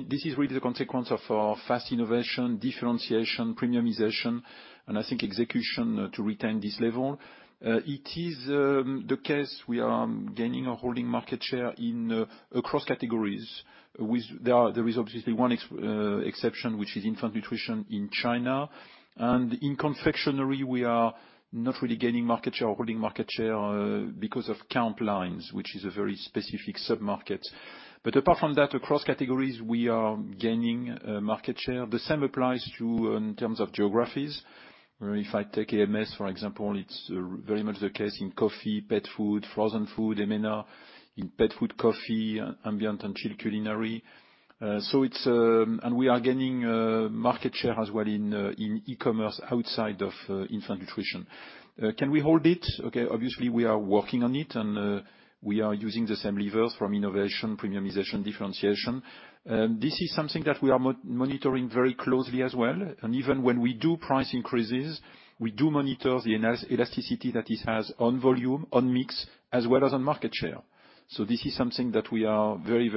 This is really the consequence of our fast innovation, differentiation, premiumization, and I think execution to retain this level. It is the case we are gaining or holding market share in across categories. There is obviously one exception, which is infant nutrition in China. In confectionery, we are not really gaining market share or holding market share because of countlines, which is a very specific sub-market. But apart from that, across categories, we are gaining market share. The same applies to in terms of geographies. If I take AMS, for example, it's very much the case in coffee, pet food, frozen food. EMENA, in pet food, coffee, ambient and chilled culinary It's. We are gaining market share as well in e-commerce outside of infant nutrition. Can we hold it? Okay, obviously, we are working on it, and we are using the same levers from innovation, premiumization, differentiation. This is something that we are monitoring very closely as well. Even when we do price increases, we do monitor the elasticity that this has on volume, on mix, as well as on market share. This is something that we are very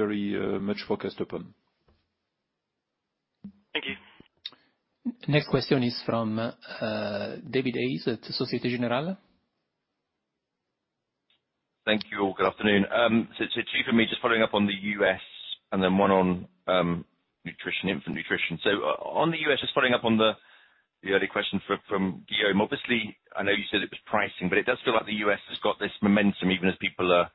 much focused upon. Thank you. Next question is from David Hayes at Société Générale. Thank you. Good afternoon. Two for me, just following up on the U.S. and then one on nutrition, infant nutrition. On the U.S., just following up on the early question from Guillaume. Obviously, I know you said it was pricing, but it does feel like the U.S. has got this momentum even as people are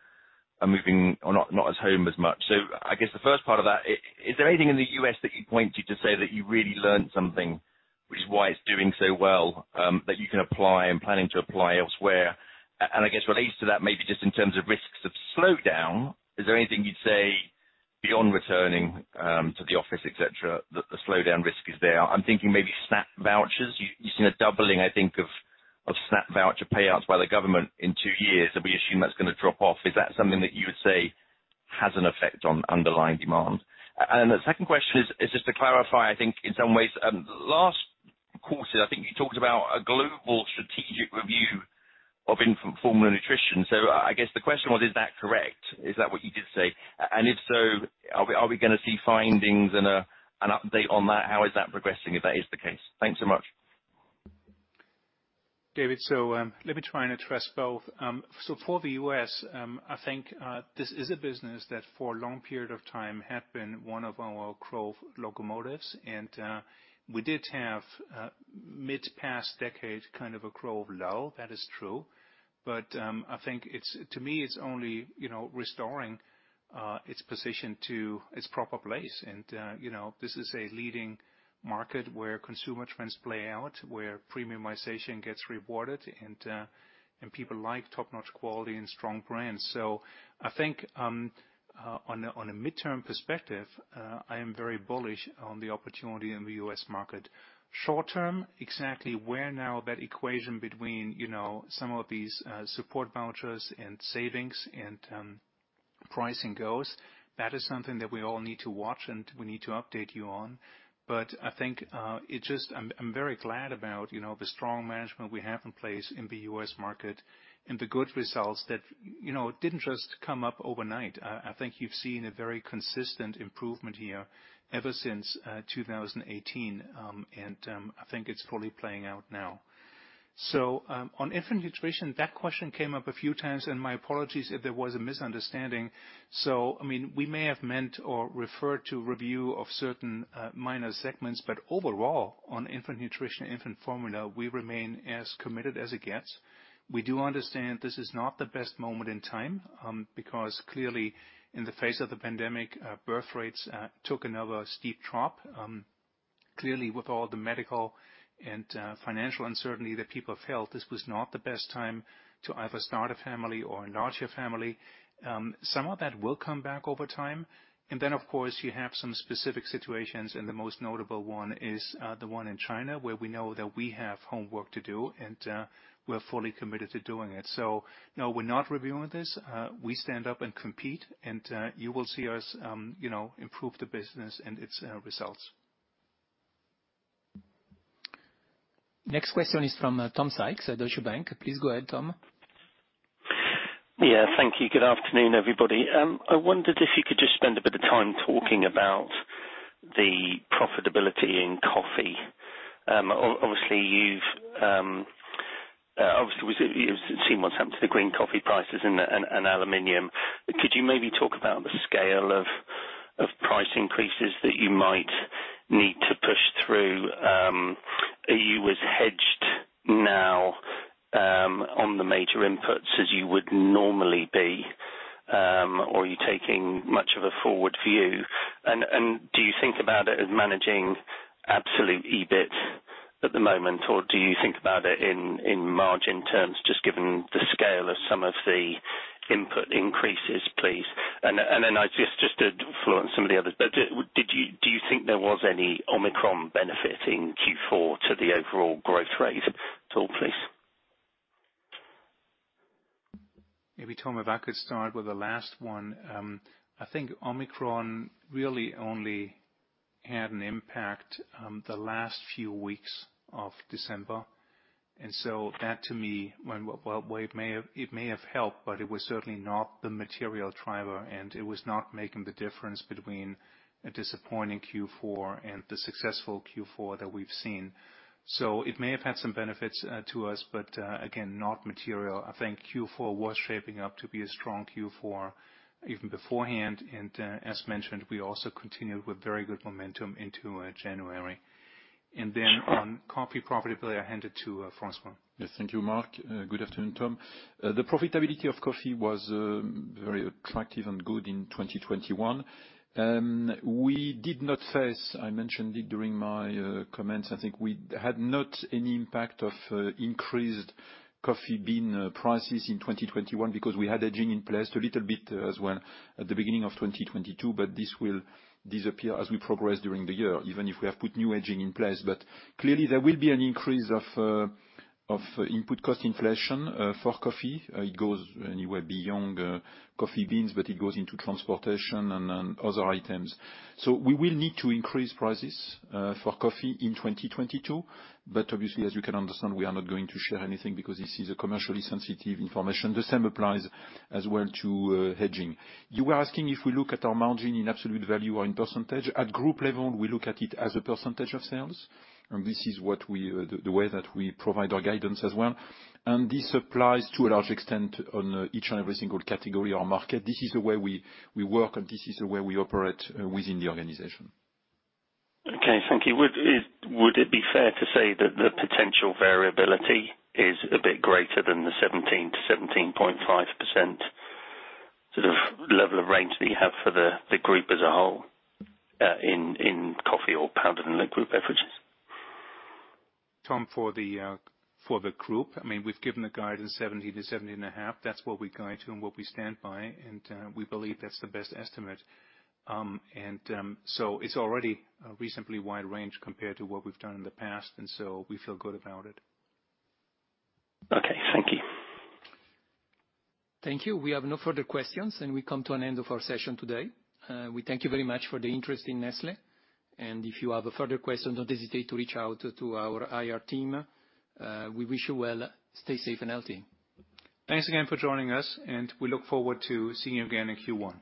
moving or not at home as much. I guess the first part of that, is there anything in the U.S. that you'd point to say that you really learned something, which is why it's doing so well, that you can apply and planning to apply elsewhere? I guess related to that, maybe just in terms of risks of slowdown, is there anything you'd say beyond returning to the office, et cetera, that the slowdown risk is there? I'm thinking maybe SNAP vouchers. You've seen a doubling, I think, of SNAP voucher payouts by the government in two years, and we assume that's gonna drop off. Is that something that you would say has an effect on underlying demand? And the second question is just to clarify. I think in some ways, last quarter, I think you talked about a global strategic review of infant formula nutrition. So I guess the question was, is that correct? Is that what you did say? And if so, are we gonna see findings and an update on that? How is that progressing, if that is the case? Thanks so much. David, let me try and address both. For the U.S., I think this is a business that for a long period of time had been one of our growth locomotives. We did have mid past decade, kind of a growth lull. That is true. I think to me, it's only, you know, restoring its position to its proper place. You know, this is a leading market where consumer trends play out, where premiumization gets rewarded, and people like top-notch quality and strong brands. I think on a midterm perspective, I am very bullish on the opportunity in the U.S. market. Short-term, exactly where now that equation between, you know, some of these support vouchers and savings and, pricing goes, that is something that we all need to watch and we need to update you on. I think, I'm very glad about, you know, the strong management we have in place in the U.S. market and the good results that, you know, didn't just come up overnight. I think you've seen a very consistent improvement here ever since 2018. I think it's fully playing out now. On infant nutrition, that question came up a few times, and my apologies if there was a misunderstanding. I mean, we may have meant or referred to review of certain minor segments, but overall, on infant nutrition, infant formula, we remain as committed as it gets. We do understand this is not the best moment in time, because clearly, in the face of the pandemic, birth rates took another steep drop. Clearly, with all the medical and financial uncertainty that people felt, this was not the best time to either start a family or enlarge your family. Some of that will come back over time. Then, of course, you have some specific situations, and the most notable one is the one in China, where we know that we have homework to do, and we're fully committed to doing it. No, we're not reviewing this. We stand up and compete, and you will see us, you know, improve the business and its results. Next question is from Tom Sykes at Deutsche Bank. Please go ahead, Tom. Yeah. Thank you. Good afternoon, everybody. I wondered if you could just spend a bit of time talking about the profitability in coffee. Obviously, we've seen what's happened to the green coffee prices and aluminum. Could you maybe talk about the scale of price increases that you might need to push through? Are you as hedged now on the major inputs as you would normally be, or are you taking much of a forward view? Do you think about it as managing absolute EBIT at the moment, or do you think about it in margin terms, just given the scale of some of the input increases, please? Then I just to follow on some of the others. Did you think there was any Omicron benefit in Q4 to the overall growth rate at all, please? Maybe, Tom, if I could start with the last one. I think Omicron really only had an impact, the last few weeks of December. That to me, well, it may have helped, but it was certainly not the material driver, and it was not making the difference between a disappointing Q4 and the successful Q4 that we've seen. It may have had some benefits to us, but again, not material. I think Q4 was shaping up to be a strong Q4 even beforehand, and as mentioned, we also continued with very good momentum into January. On coffee profitability, I hand it to François. Yes. Thank you, Mark. Good afternoon, Tom. The profitability of coffee was very attractive and good in 2021. We did not face. I mentioned it during my comments. I think we had not any impact of increased coffee bean prices in 2021 because we had hedging in place a little bit as well at the beginning of 2022, but this will disappear as we progress during the year, even if we have put new hedging in place. But clearly, there will be an increase of input cost inflation for coffee. It goes way beyond coffee beans, but it goes into transportation and other items. We will need to increase prices for coffee in 2022. Obviously, as you can understand, we are not going to share anything because this is a commercially sensitive information. The same applies as well to hedging. You were asking if we look at our margin in absolute value or in percentage. At group level, we look at it as a percentage of sales, and this is the way that we provide our guidance as well. This applies to a large extent on each and every single category or market. This is the way we work, and this is the way we operate within the organization. Okay. Thank you. Would it be fair to say that the potential variability is a bit greater than the 17%-17.5% sort of level of range that you have for the group as a whole in coffee or powder and liquid beverages? Tom, for the group, I mean, we've given a guidance 17%-17.5%. That's what we guide to and what we stand by, and we believe that's the best estimate. It's already a reasonably wide range compared to what we've done in the past, and so we feel good about it. Okay. Thank you. Thank you. We have no further questions, and we come to an end of our session today. We thank you very much for the interest in Nestlé. If you have a further question, don't hesitate to reach out to our IR team. We wish you well. Stay safe and healthy. Thanks again for joining us, and we look forward to seeing you again in Q1.